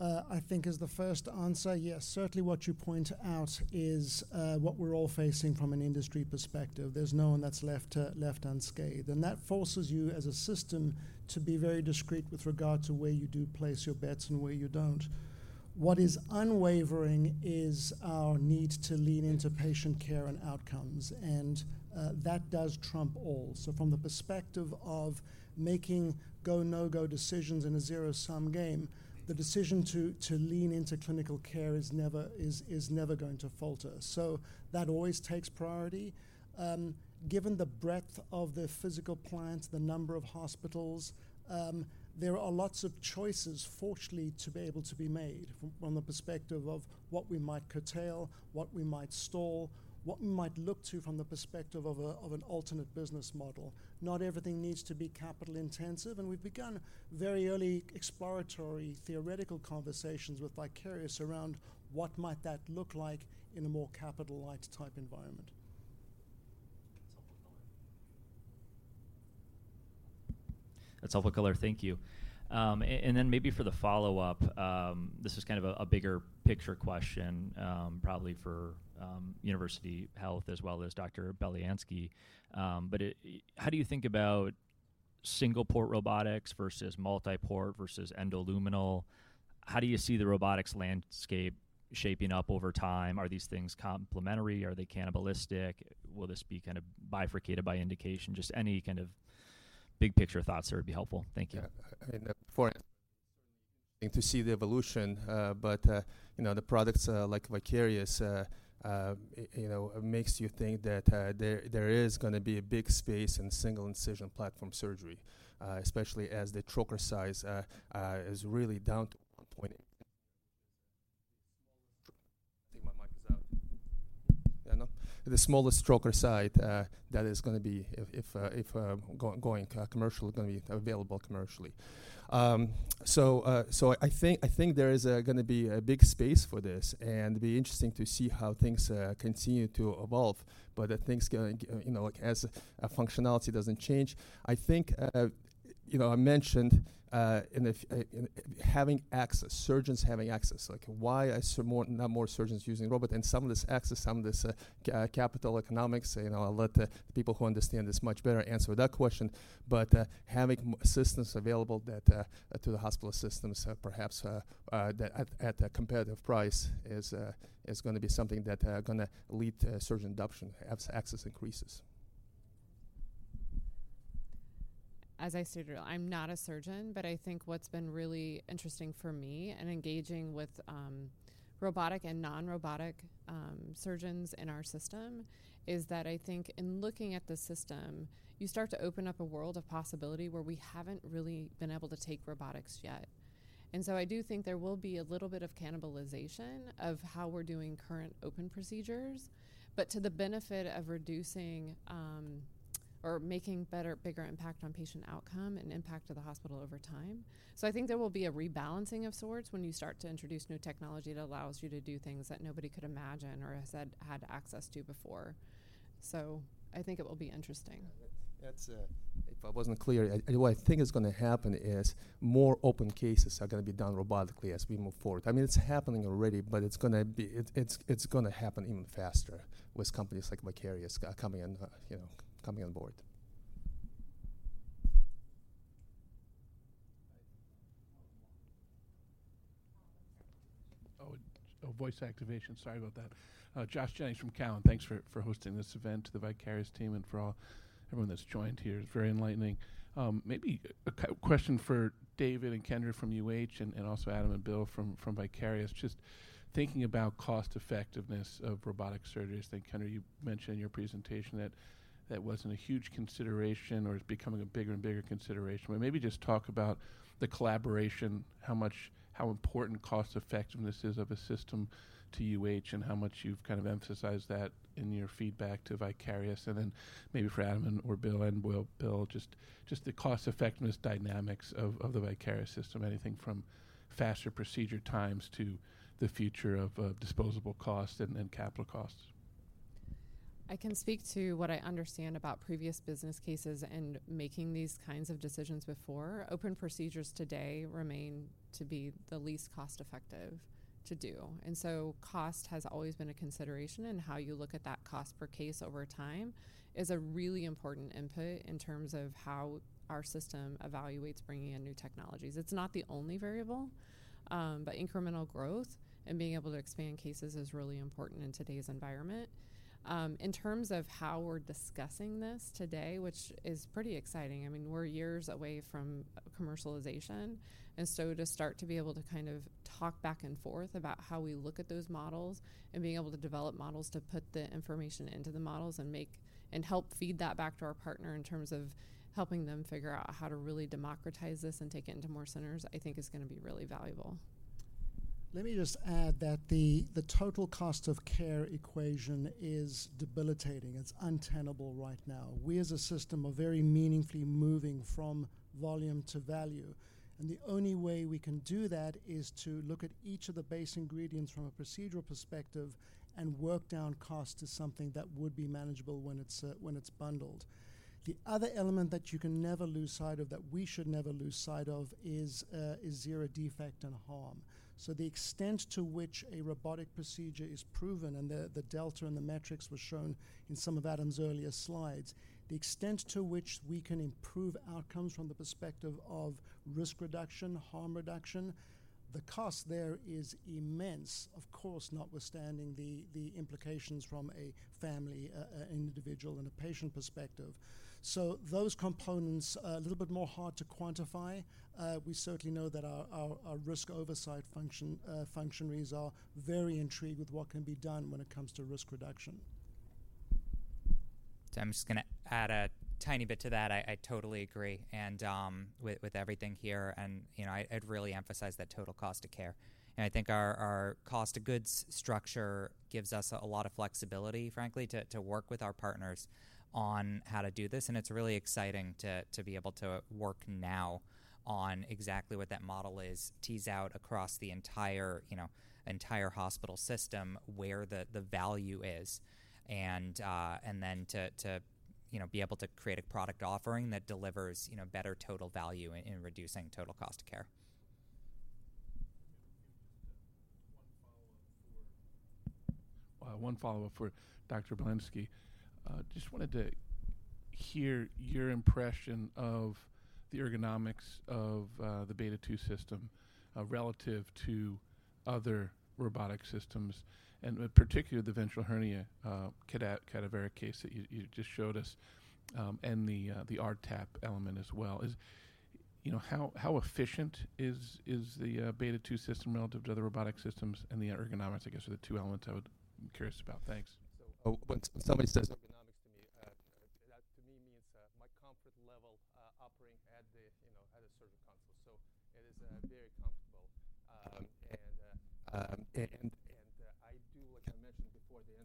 I think is the first answer. Yes, certainly what you point out is what we're all facing from an industry perspective. There's no one that's left unscathed. That forces you as a system to be very discreet with regard to where you do place your bets and where you don't. What is unwavering is our need to lean into patient care and outcomes, and that does trump all. From the perspective of making go, no-go decisions in a zero-sum game, the decision to lean into clinical care is never going to falter. That always takes priority. Given the breadth of the physical plant, the number of hospitals, there are lots of choices, fortunately, to be able to be made from the perspective of what we might curtail, what we might stall, what we might look to from the perspective of a, of an alternate business model. Not everything needs to be capital intensive. We've begun very early exploratory theoretical conversations with Vicarious around what might that look like in a more capital-light type environment. That's helpful color. Thank you. Then maybe for the follow-up, this is kind of a bigger picture question, probably for University Health as well as Dr. Belyansky. How do you think about single-port robotics versus multi-port versus endoluminal? How do you see the robotics landscape shaping up over time? Are these things complementary? Are they cannibalistic? Will this be kind of bifurcated by indication? Just any kind of big picture thoughts there would be helpful. Thank you. Yeah. For to see the evolution, but, you know, the products, like Vicarious, you know, makes you think that there is gonna be a big space in single-incision platform surgery, especially as the trocar size is really down to 1 point. I think my mic is out. Yeah, no? The smallest trocar size that is gonna be if going commercial, gonna be available commercially. I think there is gonna be a big space for this, and it'll be interesting to see how things continue to evolve, but the things gonna you know, like as a functionality doesn't change. I think, you know, I mentioned in the in having access, surgeons having access. Like, why is more, not more surgeons using robot? Some of this access, some of this capital economics, you know, I'll let the people who understand this much better answer that question. Having systems available that to the hospital systems, perhaps that at a competitive price is gonna be something that gonna lead to surgeon adoption as access increases. As I stated earlier, I'm not a surgeon, but I think what's been really interesting for me in engaging with robotic and non-robotic surgeons in our system is that I think in looking at the system, you start to open up a world of possibility where we haven't really been able to take robotics yet. I do think there will be a little bit of cannibalization of how we're doing current open procedures, but to the benefit of reducing or making better, bigger impact on patient outcome and impact to the hospital over time. I think there will be a rebalancing of sorts when you start to introduce new technology that allows you to do things that nobody could imagine or has had access to before. I think it will be interesting. Yeah, that's, if I wasn't clear, what I think is gonna happen is more open cases are gonna be done robotically as we move forward. I mean, it's happening already, but it's gonna happen even faster with companies like Vicarious coming in, you know, coming on board. Voice activation. Sorry about that. Josh Jennings from Cowen. Thanks for hosting this event, to the Vicarious team and for all everyone that's joined here. It's very enlightening. Maybe a question for David and Kendra from UH and also Adam and Bill from Vicarious, just thinking about cost-effectiveness of robotic surgeries. I think, Kendra, you mentioned in your presentation that that wasn't a huge consideration or it's becoming a bigger and bigger consideration, but maybe just talk about the collaboration, how important cost-effectiveness is of a system to UH, and how much you've kind of emphasized that in your feedback to Vicarious. Maybe for Adam and/or Bill, just the cost-effectiveness dynamics of the Vicarious system, anything from faster procedure times to the future of disposable costs and then capital costs. I can speak to what I understand about previous business cases and making these kinds of decisions before. Open procedures today remain to be the least cost-effective to do. Cost has always been a consideration, and how you look at that cost per case over time is a really important input in terms of how our system evaluates bringing in new technologies. It's not the only variable, but incremental growth and being able to expand cases is really important in today's environment. In terms of how we're discussing this today, which is pretty exciting, I mean, we're years away from commercialization, and so to start to be able to kind of talk back and forth about how we look at those models and being able to develop models to put the information into the models and make... Help feed that back to our partner in terms of helping them figure out how to really democratize this and take it into more centers, I think is gonna be really valuable. Let me just add that the total cost of care equation is debilitating. It's untenable right now. We, as a system, are very meaningfully moving from volume to value, and the only way we can do that is to look at each of the base ingredients from a procedural perspective and work down cost to something that would be manageable when it's when it's bundled. The other element that you can never lose sight of, that we should never lose sight of, is zero defect and harm. The extent to which a robotic procedure is proven, and the delta and the metrics were shown in some of Adam's earlier slides, the extent to which we can improve outcomes from the perspective of risk reduction, harm reduction, the cost there is immense, of course, notwithstanding the implications from a family, a, an individual, and a patient perspective. Those components are a little bit more hard to quantify. We certainly know that our, our risk oversight function, functionaries are very intrigued with what can be done when it comes to risk reduction. I'm just gonna add a tiny bit to that. I totally agree, and with everything here, you know, I'd really emphasize that total cost of care. I think our cost of goods structure gives us a lot of flexibility, frankly, to work with our partners on how to do this, and it's really exciting to be able to work now on exactly what that model is, tease out across the entire, you know, hospital system where the value is, and then to, you know, be able to create a product offering that delivers, you know, better total value in reducing total cost of care. One follow-up for Dr. Belyansky. Just wanted to hear your impression of the ergonomics of the Beta 2 system relative to other robotic systems and particularly the ventral hernia cadaveric case that you just showed us, and the r-TAPP element as well. Is, you know, how efficient is the Beta 2 system relative to other robotic systems and the ergonomics, I guess, are the two elements I'm curious about? Thanks. When somebody says ergonomics to me, that to me means my comfort level, operating at the, you know, at a certain console. It is very comfortable. I do what I mentioned before at the end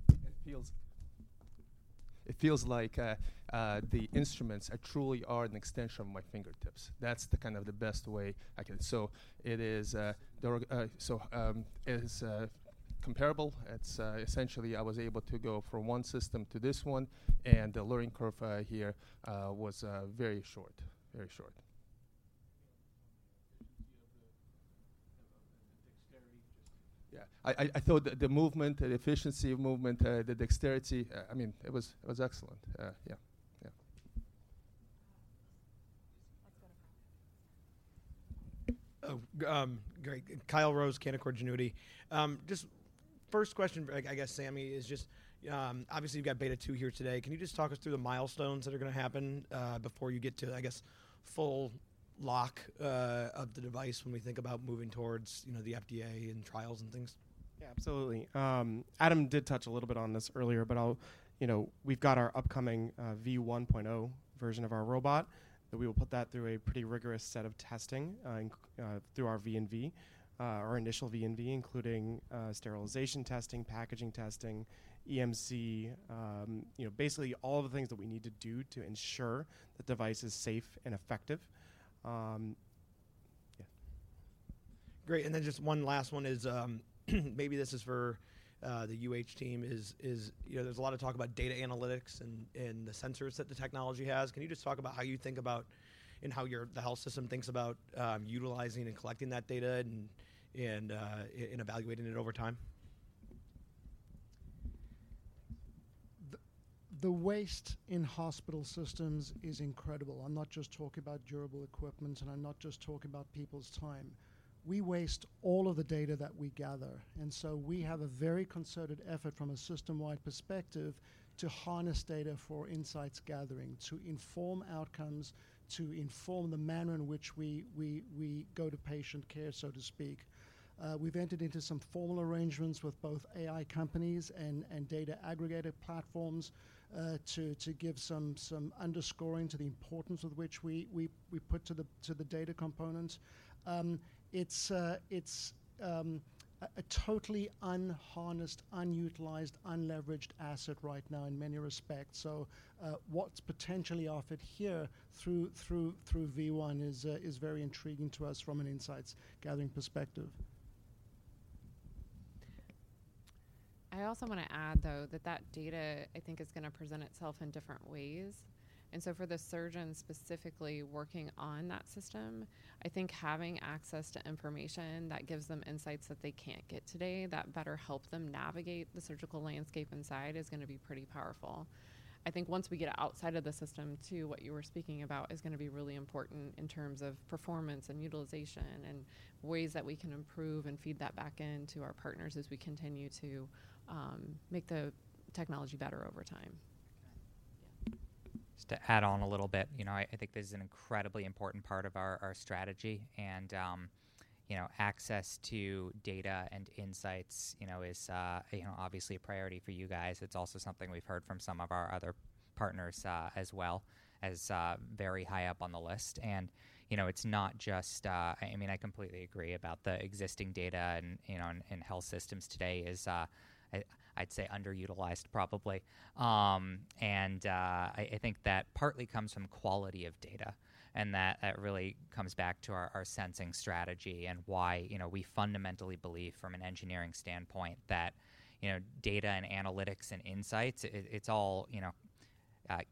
of the video. It feels like the instruments are truly an extension of my fingertips. That's the kind of the best way I can. It is comparable. It's essentially I was able to go from one system to this one, and the learning curve here was very short. Efficiency of the movement, the dexterity. Yeah. I thought the movement, the efficiency of movement, the dexterity, I mean, it was excellent. Yeah, yeah. Uh, just like- Great. Kyle Rose, Canaccord Genuity. Just first question for I guess Sammy is, obviously you've got Beta 2 here today. Can you just talk us through the milestones that are gonna happen before you get to, I guess, full lock of the device when we think about moving towards, you know, the FDA and trials and things? Yeah, absolutely. Adam did touch a little bit on this earlier, but you know, we've got our upcoming V1.0 version of our robot that we will put that through a pretty rigorous set of testing through our V&V, our initial V&V, including sterilization testing, packaging testing, EMC, you know, basically all the things that we need to do to ensure the device is safe and effective. Yeah. Great. Just one last one is, maybe this is for the UH team, you know, there's a lot of talk about data analytics and the sensors that the technology has. Can you just talk about how you think about and how the health system thinks about, utilizing and collecting that data and evaluating it over time? The waste in hospital systems is incredible. I'm not just talking about durable equipment, and I'm not just talking about people's time. We waste all of the data that we gather. We have a very concerted effort from a system-wide perspective to harness data for insights gathering, to inform outcomes, to inform the manner in which we go to patient care, so to speak. We've entered into some formal arrangements with both AI companies and data aggregator platforms to give some underscoring to the importance of which we put to the data component. It's a totally unharnessed, unutilized, unleveraged asset right now in many respects. What's potentially offered here through V1 is very intriguing to us from an insights gathering perspective. I also wanna add though that that data I think is gonna present itself in different ways. For the surgeon specifically working on that system, I think having access to information that gives them insights that they can't get today, that better help them navigate the surgical landscape inside, is gonna be pretty powerful. I think once we get outside of the system too, what you were speaking about is gonna be really important in terms of performance and utilization and ways that we can improve and feed that back in to our partners as we continue to make the technology better over time. Just to add on a little bit. You know, I think this is an incredibly important part of our strategy, and, you know, access to data and insights, you know, is, you know, obviously a priority for you guys. It's also something we've heard from some of our other partners, as well as, very high up on the list. You know, it's not just... I mean, I completely agree about the existing data and health systems today is, I'd say underutilized probably. I think that partly comes from quality of data, and that really comes back to our sensing strategy and why, you know, we fundamentally believe from an engineering standpoint that, you know, data and analytics and insights, it's all, you know,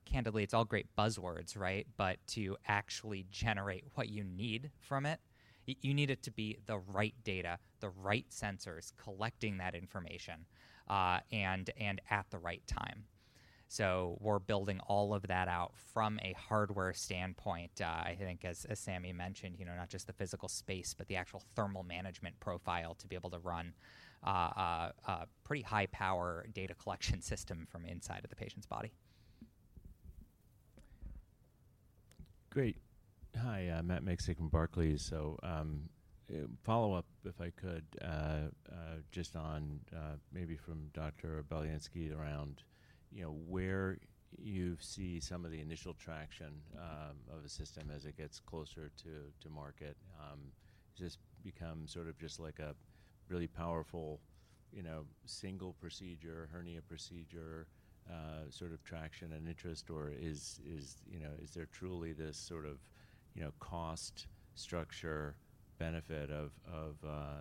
candidly, it's all great buzzwords, right? To actually generate what you need from it, you need it to be the right data, the right sensors collecting that information, and at the right time. We're building all of that out from a hardware standpoint. I think as Sammy mentioned, you know, not just the physical space, but the actual thermal management profile to be able to run a pretty high-power data collection system from inside of the patient's body. Great. Hi, I'm Matt Miksic from Barclays. Follow-up if I could, just on maybe from Dr. Belyansky around, you know, where you see some of the initial traction of a system as it gets closer to market. Does this become sort of just like a really powerful, you know, single procedure, hernia procedure, sort of traction and interest? Or is, you know, is there truly this sort of, you know, cost structure benefit of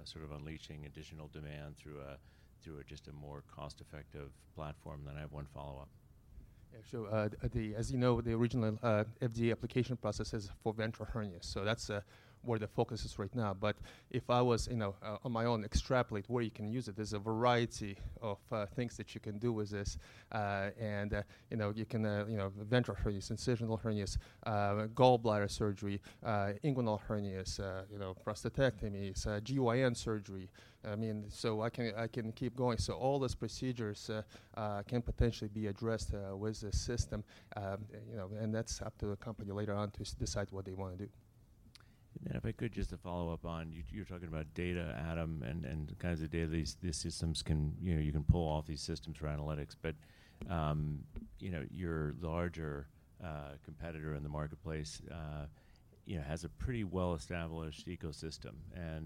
sort of unleashing additional demand through a just a more cost-effective platform? I have one follow-up. As you know, the original FDA application process is for ventral hernias, that's where the focus is right now. If I was, you know, on my own extrapolate where you can use it, there's a variety of things that you can do with this. You know, you can, you know, ventral hernias, incisional hernias, gallbladder surgery, inguinal hernias, prostatectomies, GYN surgery. I mean, I can keep going. All these procedures can potentially be addressed with the system. You know, that's up to the company later on to decide what they wanna do. If I could just to follow up on, you're talking about data, Adam, and the kinds of data these systems, you know, you can pull off these systems for analytics. You know, your larger competitor in the marketplace, you know, has a pretty well-established ecosystem.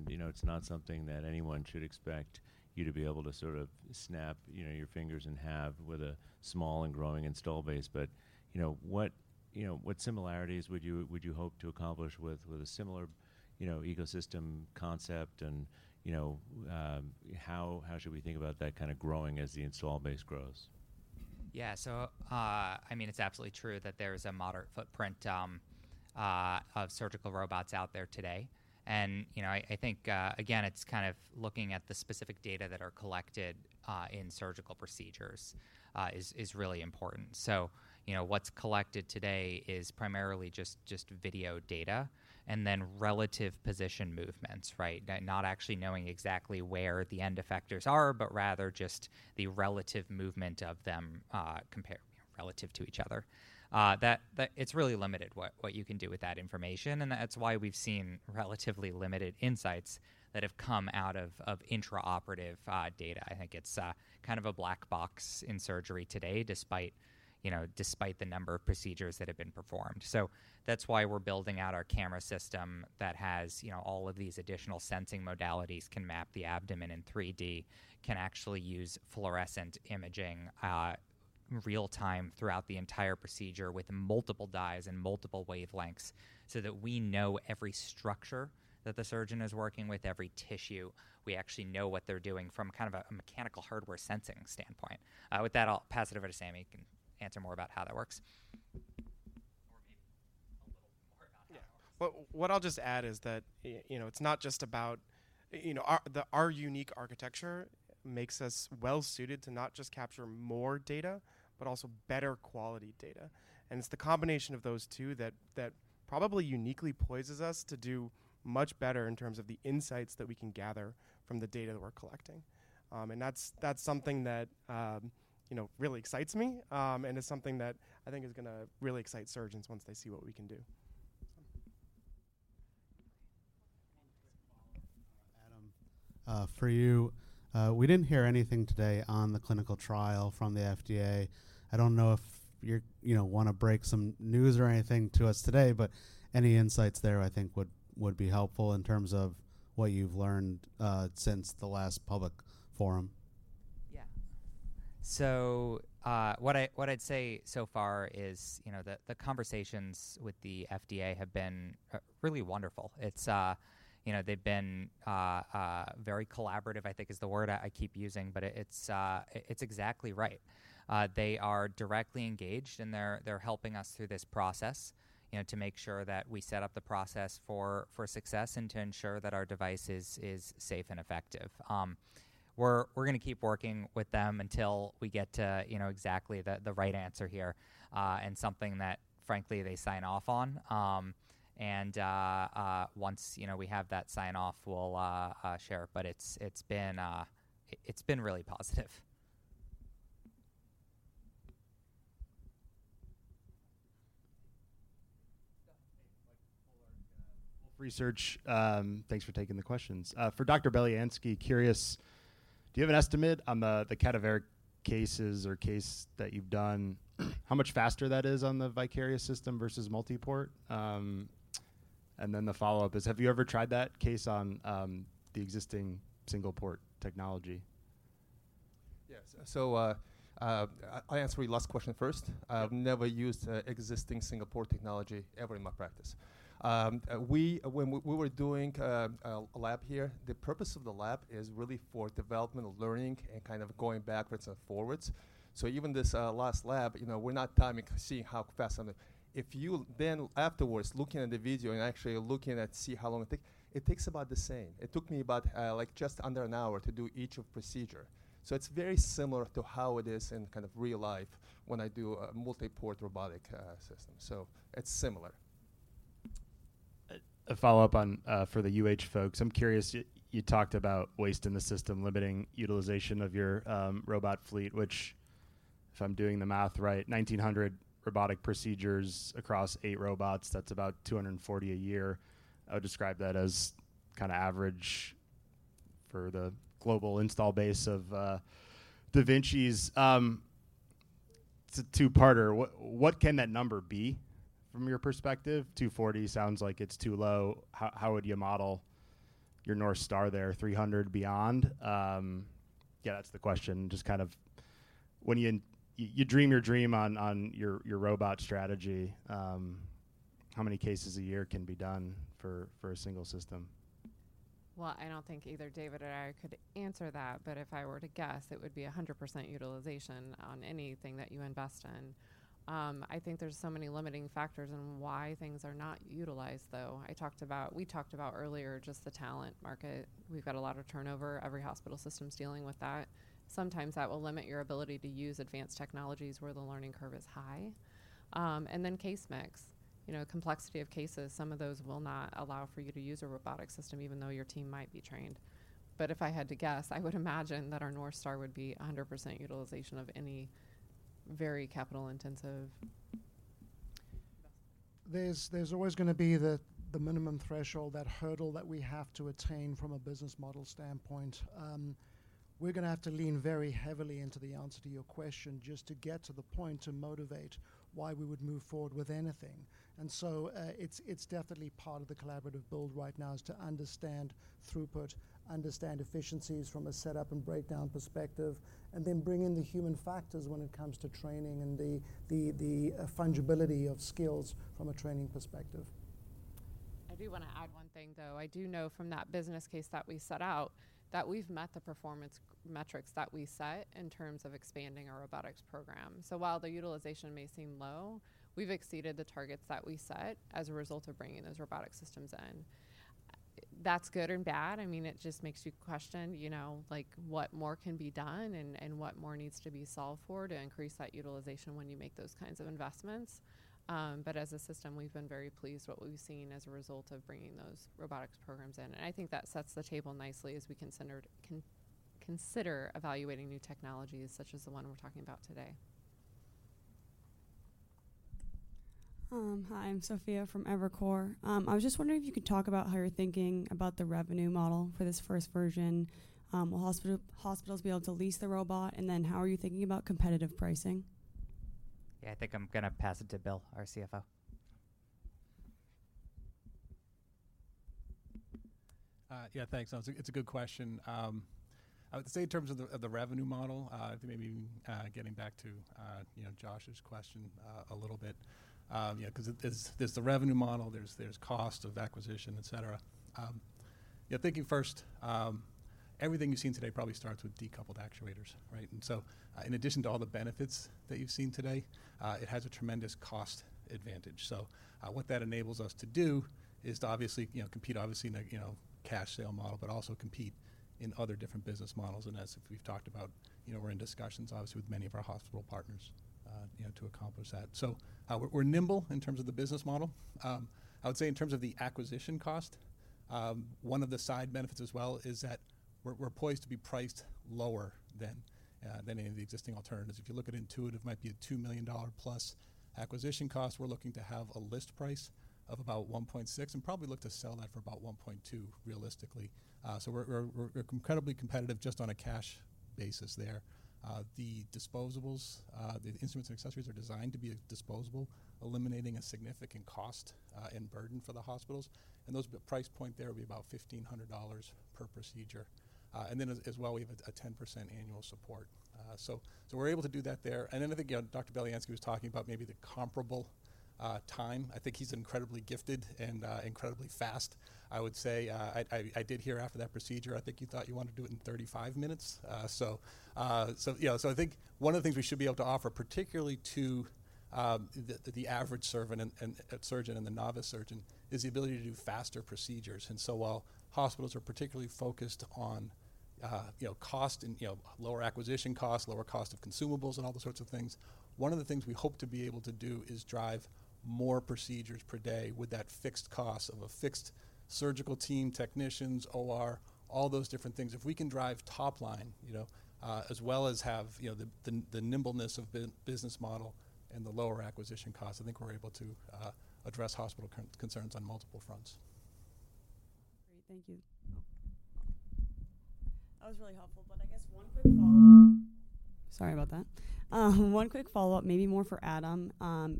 You know, it's not something that anyone should expect you to be able to sort of snap, you know, your fingers and have with a small and growing install base. You know, what, you know, what similarities would you, would you hope to accomplish with a similar, you know, ecosystem concept? You know, how should we think about that kind of growing as the install base grows? Yeah. I mean, it's absolutely true that there is a moderate footprint of surgical robots out there today. You know, I think again, it's kind of looking at the specific data that are collected in surgical procedures is really important. You know, what's collected today is primarily just video data and then relative position movements, right? Not actually knowing exactly where the end effectors are, but rather just the relative movement of them relative to each other. That's really limited what you can do with that information, and that's why we've seen relatively limited insights that have come out of intraoperative data. I think it's kind of a black box in surgery today, despite, you know, despite the number of procedures that have been performed. That's why we're building out our camera system that has, you know, all of these additional sensing modalities, can map the abdomen in 3D, can actually use fluorescent imaging, real-time throughout the entire procedure with multiple dyes and multiple wavelengths so that we know every structure that the surgeon is working with, every tissue. We actually know what they're doing from kind of a mechanical hardware sensing standpoint. With that, I'll pass it over to Sammy, can answer more about how that works. What I'll just add is that, you know, it's not just about, you know, our unique architecture makes us well-suited to not just capture more data, but also better quality data. It's the combination of those two that probably uniquely poises us to do much better in terms of the insights that we can gather from the data that we're collecting. That's something that, you know, really excites me, and is something that I think is gonna really excite surgeons once they see what we can do. Adam, for you, we didn't hear anything today on the clinical trial from the FDA. I don't know if you're, you know, wanna break some news or anything to us today. Any insights there, I think, would be helpful in terms of what you've learned since the last public forum. Yeah. What I'd say so far is, you know, the conversations with the FDA have been really wonderful. It's, you know, they've been very collaborative, I think is the word I keep using, but it's exactly right. They are directly engaged, and they're helping us through this process, you know, to make sure that we set up the process for success and to ensure that our device is safe and effective. We're gonna keep working with them until we get to, you know, exactly the right answer here, and something that, frankly, they sign off on. Once, you know, we have that sign-off, we'll share it. It's been really positive. Wolfe Research, thanks for taking the questions. For Dr. Belyansky, curious, do you have an estimate on the cadaveric cases or case that you've done, how much faster that is on the Vicarious system versus multi-port? The follow-up is, have you ever tried that case on the existing single-port technology? Yes. I answer your last question first. I've never used existing single-port technology ever in my practice. When we were doing a lab here, the purpose of the lab is really for development of learning and kind of going backwards and forwards. Even this last lab, you know, we're not timing to see how fast on the... If you then afterwards looking at the video and actually looking at see how long it take, it takes about the same. It took me about like just under an hour to do each of procedure. It's very similar to how it is in kind of real life when I do a multi-port robotic system. It's similar. A follow-up on, for the UH folks. I'm curious, you talked about waste in the system limiting utilization of your robot fleet, which if I'm doing the math right, 1,900 robotic procedures across eight robots, that's about 240 a year. I would describe that as kinda average for the global install base of da Vinci's. It's a two-parter. What can that number be from your perspective? 240 sounds like it's too low. How would you model your North Star there, 300 beyond? Yeah, that's the question. Just kind of when you dream your dream on your robot strategy, how many cases a year can be done for a single system? I don't think either David or I could answer that, if I were to guess, it would be 100% utilization on anything that you invest in. I think there's so many limiting factors in why things are not utilized, though. We talked about earlier just the talent market. We've got a lot of turnover. Every hospital system's dealing with that. Sometimes that will limit your ability to use advanced technologies where the learning curve is high. Then case mix, you know, complexity of cases, some of those will not allow for you to use a robotic system even though your team might be trained. If I had to guess, I would imagine that our North Star would be 100% utilization of any very capital-intensive investment. There's always gonna be the minimum threshold, that hurdle that we have to attain from a business model standpoint. We're gonna have to lean very heavily into the answer to your question just to get to the point to motivate why we would move forward with anything. It's definitely part of the collaborative build right now is to understand throughput, understand efficiencies from a setup and breakdown perspective, and then bring in the human factors when it comes to training and the fungibility of skills from a training perspective. I do wanna add one thing, though. I do know from that business case that we set out, that we've met the performance metrics that we set in terms of expanding our robotics program. While the utilization may seem low, we've exceeded the targets that we set as a result of bringing those robotic systems in. That's good and bad. I mean, it just makes you question, you know, like, what more can be done and what more needs to be solved for to increase that utilization when you make those kinds of investments. As a system, we've been very pleased what we've seen as a result of bringing those robotics programs in. I think that sets the table nicely as we consider evaluating new technologies, such as the one we're talking about today. Hi, I'm Sophia from Evercore. I was just wondering if you could talk about how you're thinking about the revenue model for this first version. Will hospitals be able to lease the robot? How are you thinking about competitive pricing? Yeah, I think I'm gonna pass it to Bill, our CFO. Yeah, thanks. It's a good question. I would say in terms of the revenue model, maybe getting back to, you know, Josh's question a little bit. Yeah, 'cause there's the revenue model, there's cost of acquisition, et cetera. Yeah, thinking first. Everything you've seen today probably starts with decoupled actuators, right? In addition to all the benefits that you've seen today, it has a tremendous cost advantage. What that enables us to do is to obviously, you know, compete obviously in a, you know, cash sale model, but also compete in other different business models. As we've talked about, you know, we're in discussions obviously with many of our hospital partners, you know, to accomplish that. We're nimble in terms of the business model. I would say in terms of the acquisition cost, one of the side benefits as well is that we're poised to be priced lower than any of the existing alternatives. If you look at Intuitive, it might be a $2 million plus acquisition cost. We're looking to have a list price of about $1.6 million, and probably look to sell that for about $1.2 million, realistically. We're incredibly competitive just on a cash basis there. The disposables, the instruments and accessories are designed to be disposable, eliminating a significant cost and burden for the hospitals. The price point there would be about $1,500 per procedure. As well, we have a 10% annual support. We're able to do that there. I think Dr. Belyansky was talking about maybe the comparable time. I think he's incredibly gifted and incredibly fast. I would say, I did hear after that procedure, I think you thought you wanted to do it in 35 minutes. So yeah. I think one of the things we should be able to offer, particularly to the average surgeon and surgeon and the novice surgeon, is the ability to do faster procedures. While hospitals are particularly focused on, you know, cost and, you know, lower acquisition costs, lower cost of consumables, and all those sorts of things, one of the things we hope to be able to do is drive more procedures per day with that fixed cost of a fixed surgical team, technicians, OR, all those different things. If we can drive top line, you know, as well as have, you know, the, the nimbleness of business model and the lower acquisition costs, I think we're able to, address hospital concerns on multiple fronts. Great. Thank you. That was really helpful. I guess one quick follow-up. Sorry about that. One quick follow-up, maybe more for Adam.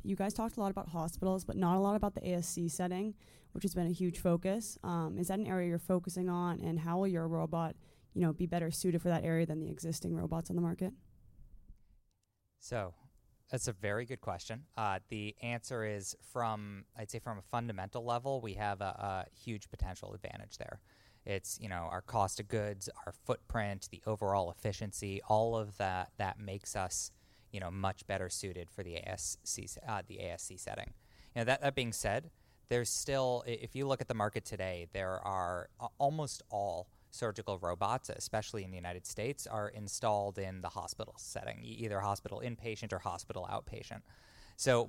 You guys talked a lot about hospitals, but not a lot about the ASC setting, which has been a huge focus. Is that an area you're focusing on? How will your robot, you know, be better suited for that area than the existing robots on the market? That's a very good question. The answer is, I'd say from a fundamental level, we have a huge potential advantage there. It's, you know, our cost of goods, our footprint, the overall efficiency, all of that makes us, you know, much better suited for the ASC setting. You know, that being said, there's still if you look at the market today, almost all surgical robots, especially in the United States, are installed in the hospital setting, either hospital inpatient or hospital outpatient.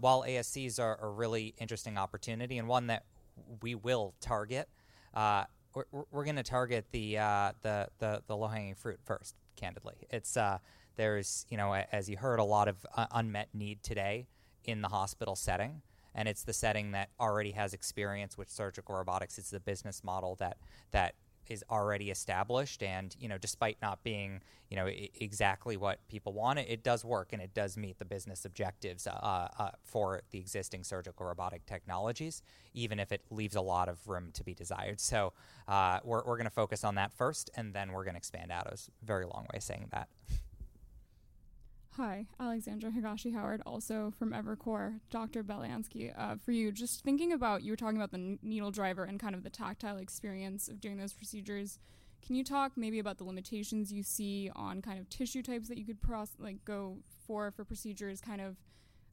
While ASCs are a really interesting opportunity and one that we will target, we're gonna target the low-hanging fruit first, candidly. It's, there's, you know, as you heard, a lot of unmet need today in the hospital setting, and it's the setting that already has experience with surgical robotics. It's the business model that is already established. You know, despite not being, you know, exactly what people want, it does work and it does meet the business objectives for the existing surgical robotic technologies, even if it leaves a lot of room to be desired. We're gonna focus on that first, and then we're gonna expand out is a very long way of saying that. Hi. Alexandra Higashi‑Howard, also from Evercore. Dr. Belyansky, for you. You were talking about the needle driver and kind of the tactile experience of doing those procedures. Can you talk maybe about the limitations you see on kind of tissue types that you could like go for procedures, kind of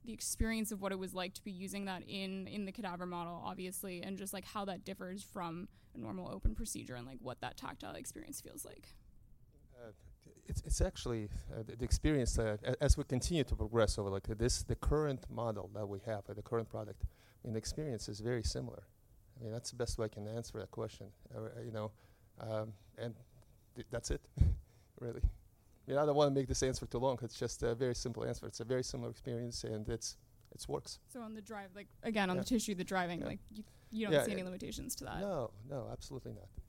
the experience of what it was like to be using that in the cadaver model, obviously, and just like how that differs from a normal open procedure and like what that tactile experience feels like? It's actually, the experience, as we continue to progress over like this, the current model that we have or the current product, and the experience is very similar. I mean, that's the best way I can answer that question. you know, That's it really. You know, I don't wanna make this answer too long 'cause it's just a very simple answer. It's a very similar experience, and it's works. On the drive, like. Yeah. on the tissue, Yeah. like you. Yeah, yeah. don't see any limitations to that? No, no, absolutely not.